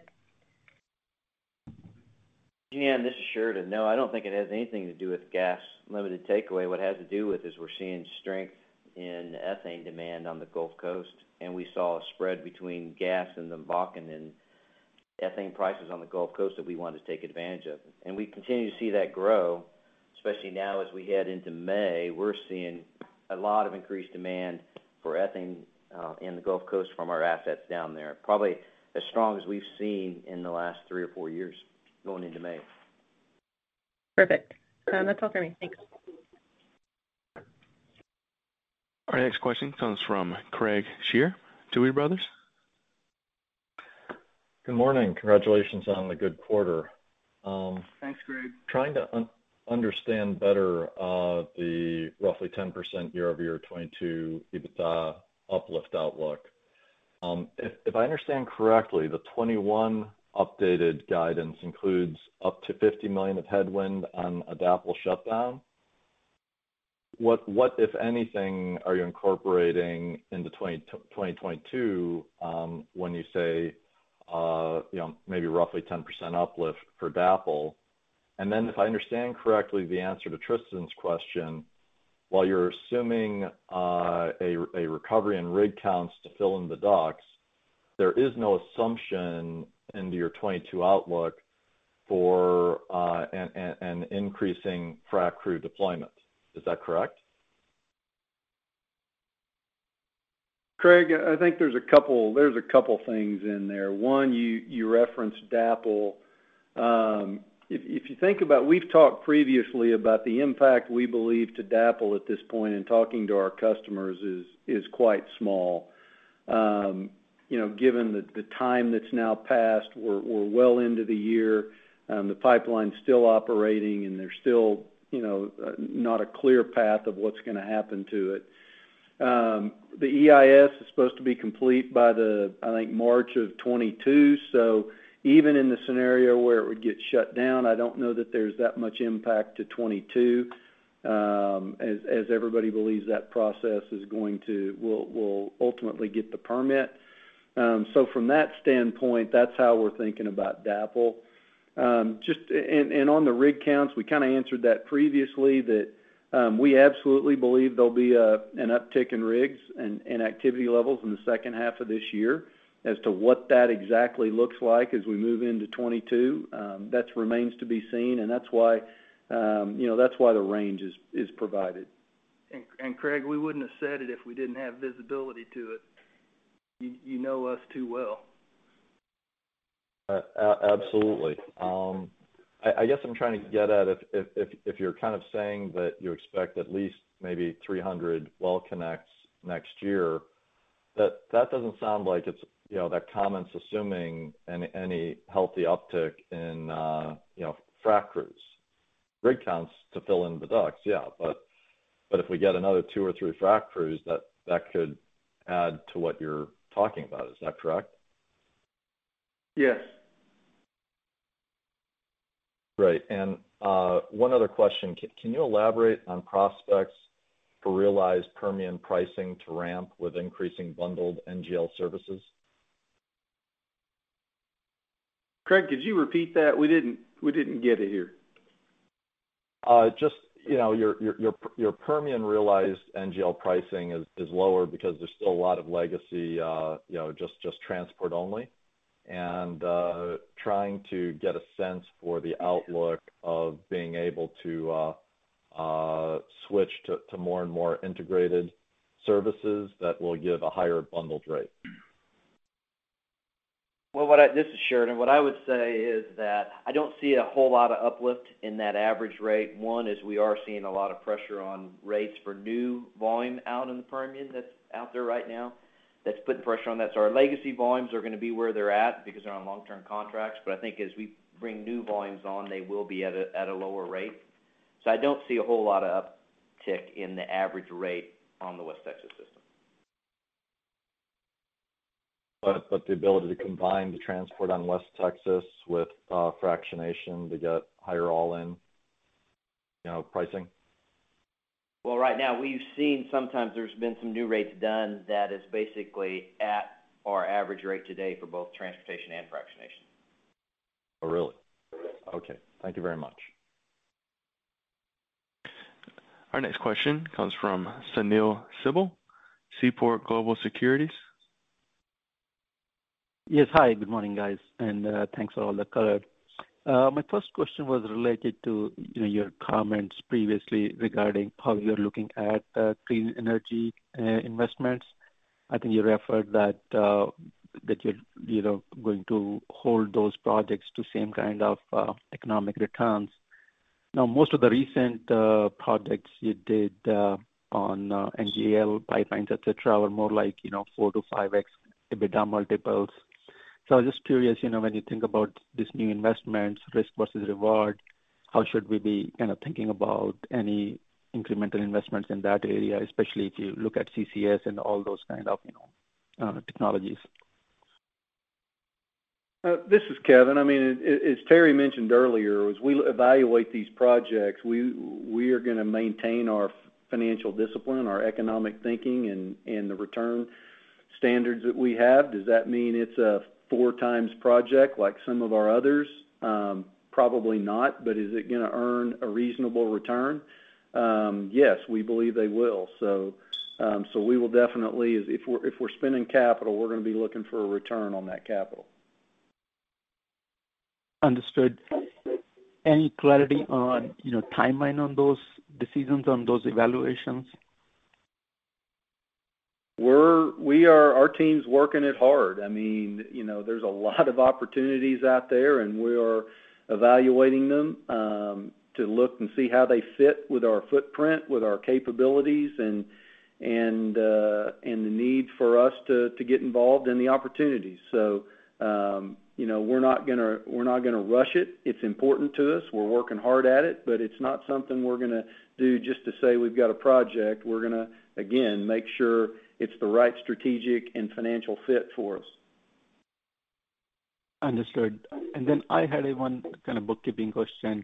[SPEAKER 7] Jean Ann, this is Sheridan. No, I don't think it has anything to do with gas limited takeaway. What it has to do with is we're seeing strength in ethane demand on the Gulf Coast, and we saw a spread between gas in the Bakken and ethane prices on the Gulf Coast that we wanted to take advantage of. We continue to see that grow, especially now as we head into May. We're seeing a lot of increased demand for ethane in the Gulf Coast from our assets down there, probably as strong as we've seen in the last three or four years going into May.
[SPEAKER 14] Perfect. That's all for me. Thanks.
[SPEAKER 1] Our next question comes from Craig Shere, Tuohy Brothers.
[SPEAKER 15] Good morning. Congratulations on the good quarter.
[SPEAKER 5] Thanks, Craig.
[SPEAKER 15] Trying to understand better the roughly 10% year-over-year 2022 EBITDA uplift outlook. If I understand correctly, the 2021 updated guidance includes up to $50 million of headwind on a DAPL shutdown. What, if anything, are you incorporating into 2022, when you say maybe roughly 10% uplift for DAPL? If I understand correctly, the answer to Tristan Richardson's question, while you're assuming a recovery in rig counts to fill in the DUCs, there is no assumption in your 2022 outlook for an increasing frac crew deployment. Is that correct?
[SPEAKER 5] Craig, I think there's a couple things in there. One, you referenced DAPL. If you think about it, we've talked previously about the impact, we believe, to DAPL at this point in talking to our customers is quite small. Given the time that's now passed, we're well into the year. The pipeline's still operating, and there's still not a clear path of what's going to happen to it. The EIS is supposed to be complete by, I think, March of 2022. Even in the scenario where it would get shut down, I don't know that there's that much impact to 2022, as everybody believes that process will ultimately get the permit. From that standpoint, that's how we're thinking about DAPL. On the rig counts, we kind of answered that previously that we absolutely believe there'll be an uptick in rigs and activity levels in the second half of this year. As to what that exactly looks like as we move into 2022, that remains to be seen, and that's why the range is provided. Craig, we wouldn't have said it if we didn't have visibility to it. You know us too well.
[SPEAKER 15] Absolutely. I guess I'm trying to get at if you're kind of saying that you expect at least maybe 300 well connects next year, that doesn't sound like that comment's assuming any healthy uptick in frac crews. Rig counts to fill in the DUCs, yeah. If we get another two or three frac crews, that could add to what you're talking about. Is that correct?
[SPEAKER 5] Yes.
[SPEAKER 15] Right. One other question. Can you elaborate on prospects for realized Permian pricing to ramp with increasing bundled NGL services?
[SPEAKER 5] Craig, could you repeat that? We didn't get it here.
[SPEAKER 15] Just your Permian realized NGL pricing is lower because there's still a lot of legacy, just transport only. Trying to get a sense for the outlook of being able to switch to more and more integrated services that will give a higher bundled rate.
[SPEAKER 7] Well, this is Sheridan Swords. What I would say is that I don't see a whole lot of uplift in that average rate. One is we are seeing a lot of pressure on rates for new volume out in the Permian Basin that's out there right now. That's putting pressure on that. Our legacy volumes are going to be where they're at because they're on long-term contracts. I think as we bring new volumes on, they will be at a lower rate. I don't see a whole lot of uptick in the average rate on the West Texas system.
[SPEAKER 15] The ability to combine the transport on West Texas with fractionation to get higher all-in pricing?
[SPEAKER 7] Well, right now, we've seen sometimes there's been some new rates done that is basically at our average rate today for both transportation and fractionation.
[SPEAKER 15] Oh, really?
[SPEAKER 7] Really.
[SPEAKER 15] Okay. Thank you very much.
[SPEAKER 1] Our next question comes from Sunil Sibal, Seaport Global Securities.
[SPEAKER 16] Yes. Hi, good morning, guys. Thanks for all the color. My first question was related to your comments previously regarding how you're looking at clean energy investments. I think you referred that you're going to hold those projects to same kind of economic returns. Most of the recent projects you did on NGL pipelines, et cetera, were more like 4x to 5x EBITDA multiples. I was just curious, when you think about these new investments, risk versus reward, how should we be kind of thinking about any incremental investments in that area, especially if you look at CCS and all those kind of technologies?
[SPEAKER 5] This is Kevin. As Terry mentioned earlier, as we evaluate these projects, we are going to maintain our financial discipline, our economic thinking, and the return standards that we have. Does that mean it's a four times project like some of our others? Probably not. Is it going to earn a reasonable return? Yes, we believe they will. We will definitely, if we're spending capital, we're going to be looking for a return on that capital.
[SPEAKER 16] Understood. Any clarity on timeline on those decisions, on those evaluations?
[SPEAKER 5] Our team's working it hard. There's a lot of opportunities out there. We are evaluating them to look and see how they fit with our footprint, with our capabilities, and the need for us to get involved in the opportunities. We're not going to rush it. It's important to us. We're working hard at it, but it's not something we're going to do just to say we've got a project. We're going to, again, make sure it's the right strategic and financial fit for us.
[SPEAKER 16] Understood. I had one kind of bookkeeping question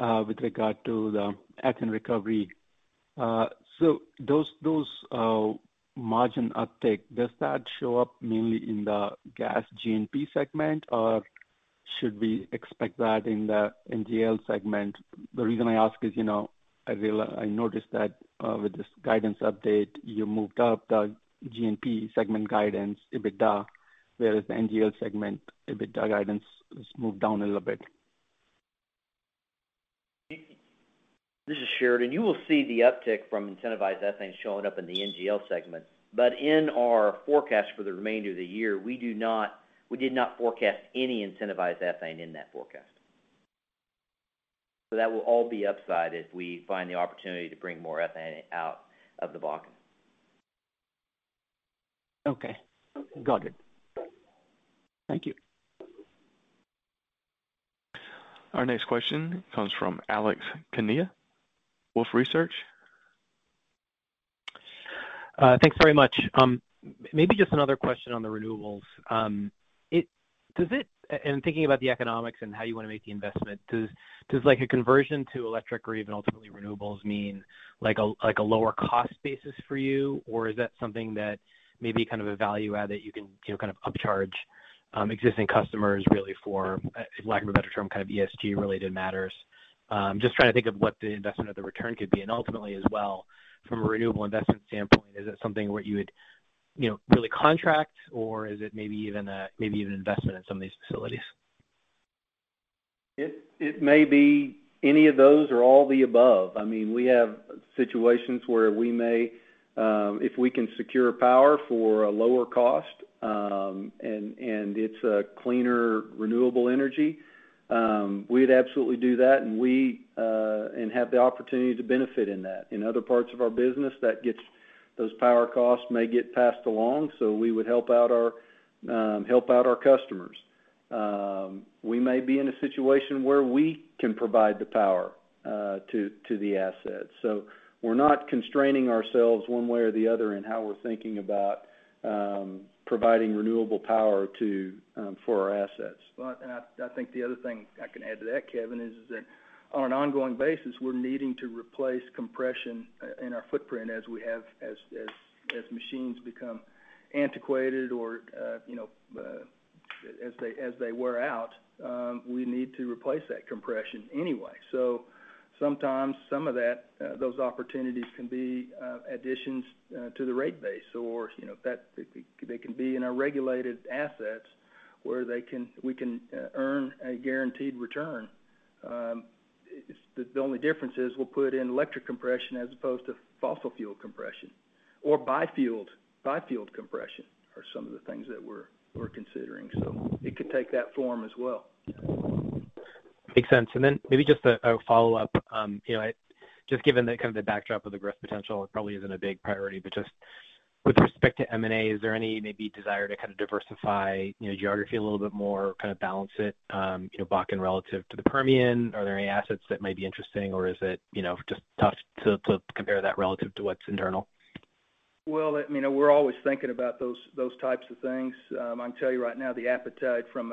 [SPEAKER 16] with regard to the ethane recovery. Those margin uptick, does that show up mainly in the gas G&P Segment, or should we expect that in the NGL Segment? The reason I ask is, I noticed that with this guidance update, you moved up the G&P Segment guidance EBITDA, whereas the NGL Segment EBITDA guidance has moved down a little bit.
[SPEAKER 7] This is Sheridan. You will see the uptick from incentivized ethane showing up in the NGL segment. In our forecast for the remainder of the year, we did not forecast any incentivized ethane in that forecast. That will all be upside if we find the opportunity to bring more ethane out of the Bakken.
[SPEAKER 16] Okay. Got it. Thank you.
[SPEAKER 1] Our next question comes from Alex Kania, Wolfe Research.
[SPEAKER 17] Thanks very much. Maybe just another question on the renewables. Thinking about the economics and how you want to make the investment, does like a conversion to electric or even ultimately renewables mean like a lower cost basis for you? Is that something that may be a value add that you can upcharge existing customers really for, lack of a better term, ESG related matters? I'm just trying to think of what the investment or the return could be. Ultimately as well from a renewable investment standpoint, is it something where you would really contract or is it maybe even an investment in some of these facilities?
[SPEAKER 5] It may be any of those or all the above. We have situations where we may, if we can secure power for a lower cost, and it's a cleaner, renewable energy, we'd absolutely do that and have the opportunity to benefit in that. In other parts of our business, those power costs may get passed along, so we would help out our customers. We may be in a situation where we can provide the power to the assets. We're not constraining ourselves one way or the other in how we're thinking about providing renewable power for our assets.
[SPEAKER 3] I think the other thing I can add to that, Kevin, is that on an ongoing basis, we're needing to replace compression in our footprint as machines become antiquated or as they wear out, we need to replace that compression anyway. Sometimes, some of those opportunities can be additions to the rate base or they can be in our regulated assets where we can earn a guaranteed return. The only difference is we'll put in electric compression as opposed to fossil fuel compression or bi-fuel compression, are some of the things that we're considering. It could take that form as well.
[SPEAKER 17] Makes sense. Maybe just a follow-up. Just given the kind of the backdrop of the growth potential, it probably isn't a big priority, but just with respect to M&A, is there any maybe desire to kind of diversify geography a little bit more, kind of balance it, Bakken relative to the Permian? Are there any assets that may be interesting, or is it just tough to compare that relative to what's internal?
[SPEAKER 3] Well, we're always thinking about those types of things. I can tell you right now, the appetite from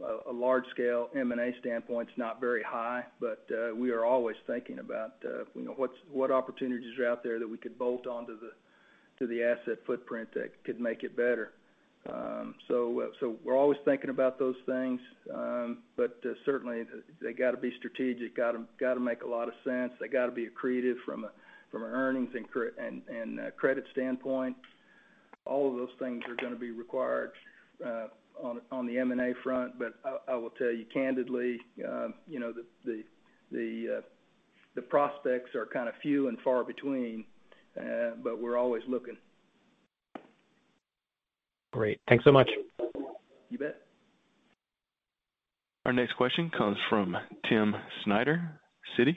[SPEAKER 3] a large scale M&A standpoint is not very high, but we are always thinking about what opportunities are out there that we could bolt on to the asset footprint that could make it better. We're always thinking about those things. Certainly, they got to be strategic, got to make a lot of sense. They got to be accretive from an earnings and credit standpoint. All of those things are going to be required on the M&A front. I will tell you candidly that the prospects are kind of few and far between, but we're always looking.
[SPEAKER 17] Great. Thanks so much.
[SPEAKER 3] You bet.
[SPEAKER 1] Our next question comes from Timm Schneider, Citi.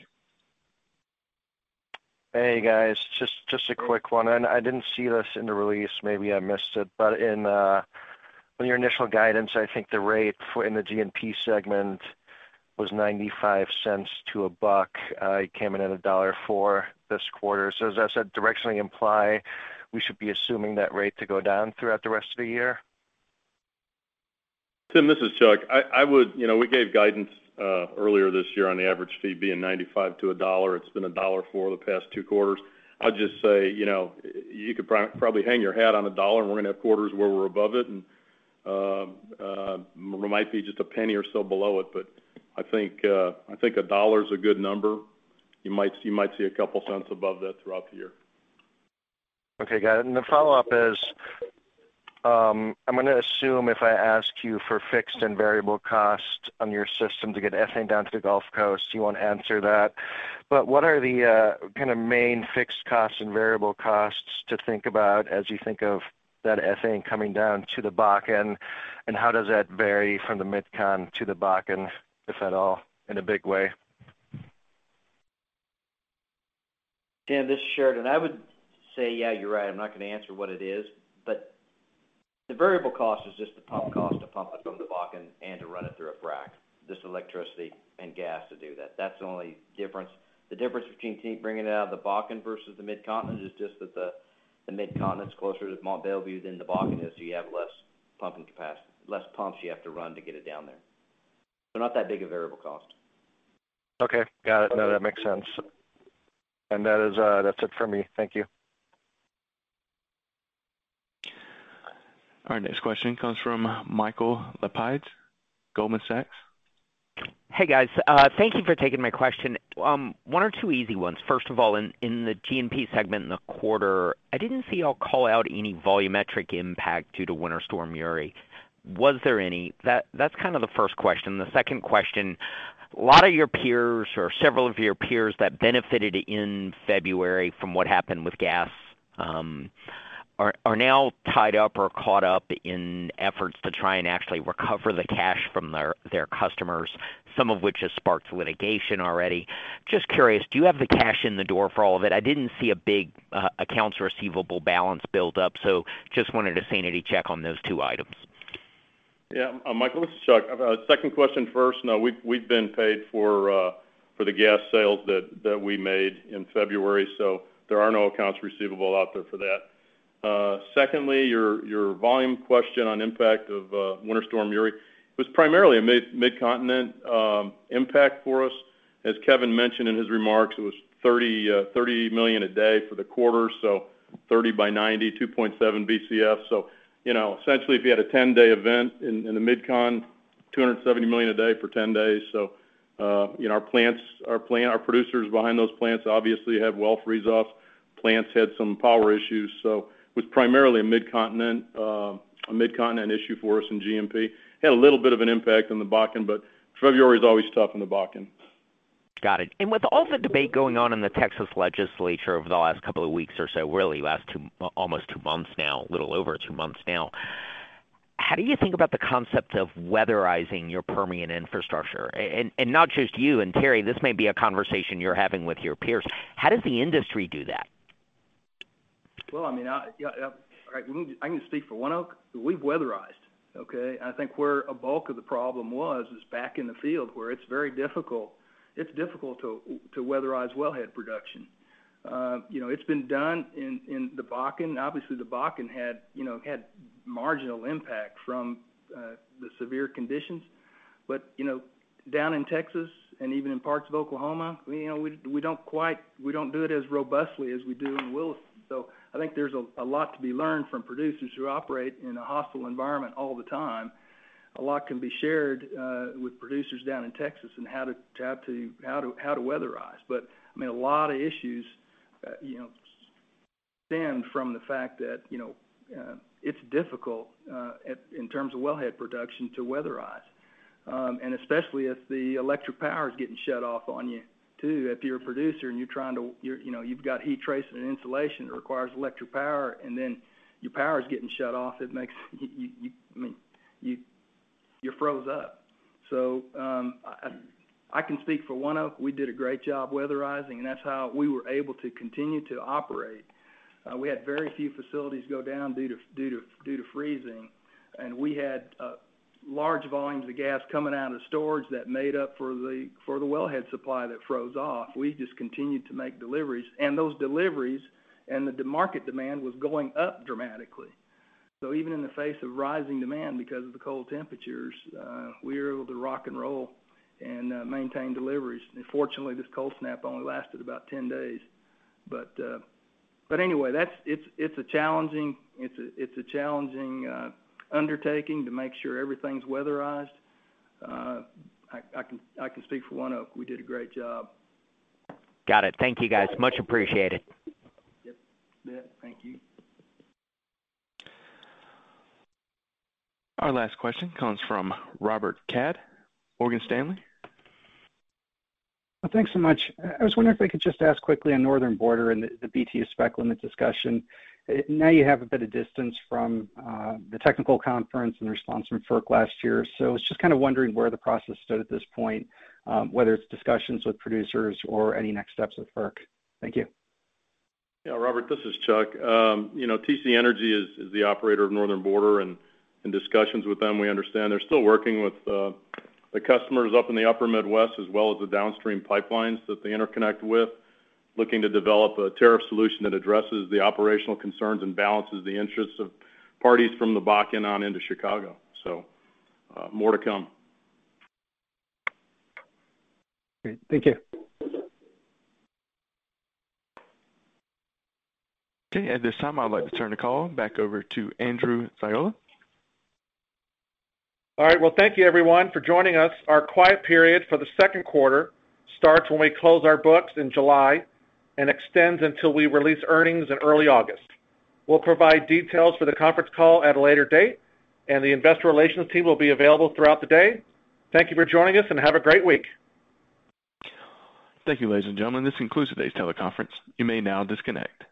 [SPEAKER 18] Hey, guys. Just a quick one, I didn't see this in the release. Maybe I missed it. In your initial guidance, I think the rate in the G&P segment was $0.95 to $1.00. It came in at $1.04 this quarter. Does that directionally imply we should be assuming that rate to go down throughout the rest of the year?
[SPEAKER 8] Timm, this is Chuck. We gave guidance earlier this year on the average fee being $0.95-$1. It's been $1 for the past two quarters. I'll just say, you could probably hang your hat on $1, and we're going to have quarters where we're above it, and we might be just $0.01 or so below it. I think $1 is a good number. You might see $0.02 above that throughout the year.
[SPEAKER 18] Okay, got it. The follow-up is, I'm going to assume if I ask you for fixed and variable costs on your system to get ethane down to the Gulf Coast, you won't answer that. What are the kind of main fixed costs and variable costs to think about as you think of that ethane coming down to the Bakken? How does that vary from the Mid-Con to the Bakken, if at all, in a big way?
[SPEAKER 7] Timm, this is Sheridan. I would say, yeah, you're right. I'm not going to answer what it is. The variable cost is just the pump cost to pump it from the Bakken and to run it through a frac. Just electricity and gas to do that. That's the only difference. The difference between bringing it out of the Bakken versus the Mid-Continent is just that the Mid-Continent's closer to Mont Belvieu than the Bakken is, so you have less pumping capacity, less pumps you have to run to get it down there. Not that big a variable cost.
[SPEAKER 18] Okay, got it. No, that makes sense. That's it for me. Thank you.
[SPEAKER 1] Our next question comes from Michael Lapides, Goldman Sachs.
[SPEAKER 19] Hey, guys. Thank you for taking my question. One or two easy ones. First of all, in the G&P segment in the quarter, I didn't see y'all call out any volumetric impact due to Winter Storm Uri. Was there any? That's kind of the first question. The second question, a lot of your peers, or several of your peers that benefited in February from what happened with gas are now tied up or caught up in efforts to try and actually recover the cash from their customers, some of which has sparked litigation already. Just curious, do you have the cash in the door for all of it? I didn't see a big accounts receivable balance build up, so just wanted a sanity check on those two items.
[SPEAKER 8] Michael, this is Chuck M. Kelley. Second question first. We've been paid for the gas sales that we made in February, so there are no accounts receivable out there for that. Your volume question on impact of Winter Storm Uri was primarily a Mid-Continent impact for us. As Kevin mentioned in his remarks, it was $30 million a day for the quarter, so 30 by 90, 2.7 billion cu ft. Essentially, if you had a 10-day event in the Mid-Con, 270 million a day for 10 days. Our producers behind those plants obviously had well freeze-off. Plants had some power issues. It was primarily a Mid-Continent issue for us in G&P. Had a little bit of an impact on the Bakken, February is always tough in the Bakken.
[SPEAKER 19] Got it. With all the debate going on in the Texas legislature over the last couple of weeks or so, really last almost two months now, a little over two months now, how do you think about the concept of weatherizing your Permian infrastructure? Not just you, and Terry, this may be a conversation you're having with your peers. How does the industry do that?
[SPEAKER 3] Well, I can speak for ONEOK. We've weatherized. Okay? I think where a bulk of the problem was is back in the field where it's very difficult. It's difficult to weatherize wellhead production. It's been done in the Bakken. Obviously, the Bakken had marginal impact from the severe conditions. Down in Texas and even in parts of Oklahoma, we don't do it as robustly as we do in Williston. I think there's a lot to be learned from producers who operate in a hostile environment all the time. A lot can be shared with producers down in Texas in how to weatherize. A lot of issues stem from the fact that it's difficult in terms of wellhead production to weatherize. Especially if the electric power is getting shut off on you, too. If you're a producer and you've got heat tracing and insulation that requires electric power, and then your power's getting shut off, you're froze up. I can speak for ONEOK, we did a great job weatherizing, and that's how we were able to continue to operate. We had very few facilities go down due to freezing, and we had large volumes of gas coming out of storage that made up for the wellhead supply that froze off. We just continued to make deliveries, and those deliveries and the market demand was going up dramatically. Even in the face of rising demand because of the cold temperatures, we were able to rock and roll and maintain deliveries. Fortunately, this cold snap only lasted about 10 days. Anyway, it's a challenging undertaking to make sure everything's weatherized. I can speak for ONEOK, we did a great job.
[SPEAKER 19] Got it. Thank you, guys. Much appreciated.
[SPEAKER 3] Yep. Thank you.
[SPEAKER 1] Our last question comes from Robert Kad, Morgan Stanley.
[SPEAKER 20] Thanks so much. I was wondering if I could just ask quickly on Northern Border and the BTU spec limit discussion. Now you have a bit of distance from the technical conference and the response from FERC last year. I was just kind of wondering where the process stood at this point, whether it's discussions with producers or any next steps with FERC. Thank you.
[SPEAKER 8] Yeah, Robert, this is Chuck. You know, TC Energy is the operator of Northern Border. In discussions with them, we understand they're still working with the customers up in the upper Midwest as well as the downstream pipelines that they interconnect with, looking to develop a tariff solution that addresses the operational concerns and balances the interests of parties from the Bakken on into Chicago. More to come.
[SPEAKER 20] Great. Thank you.
[SPEAKER 1] Okay. At this time, I'd like to turn the call back over to Andrew Ziola.
[SPEAKER 2] All right. Well, thank you everyone for joining us. Our quiet period for the second quarter starts when we close our books in July and extends until we release earnings in early August. We'll provide details for the conference call at a later date, and the investor relations team will be available throughout the day. Thank you for joining us, and have a great week.
[SPEAKER 1] Thank you, ladies and gentlemen. This concludes today's teleconference. You may now disconnect.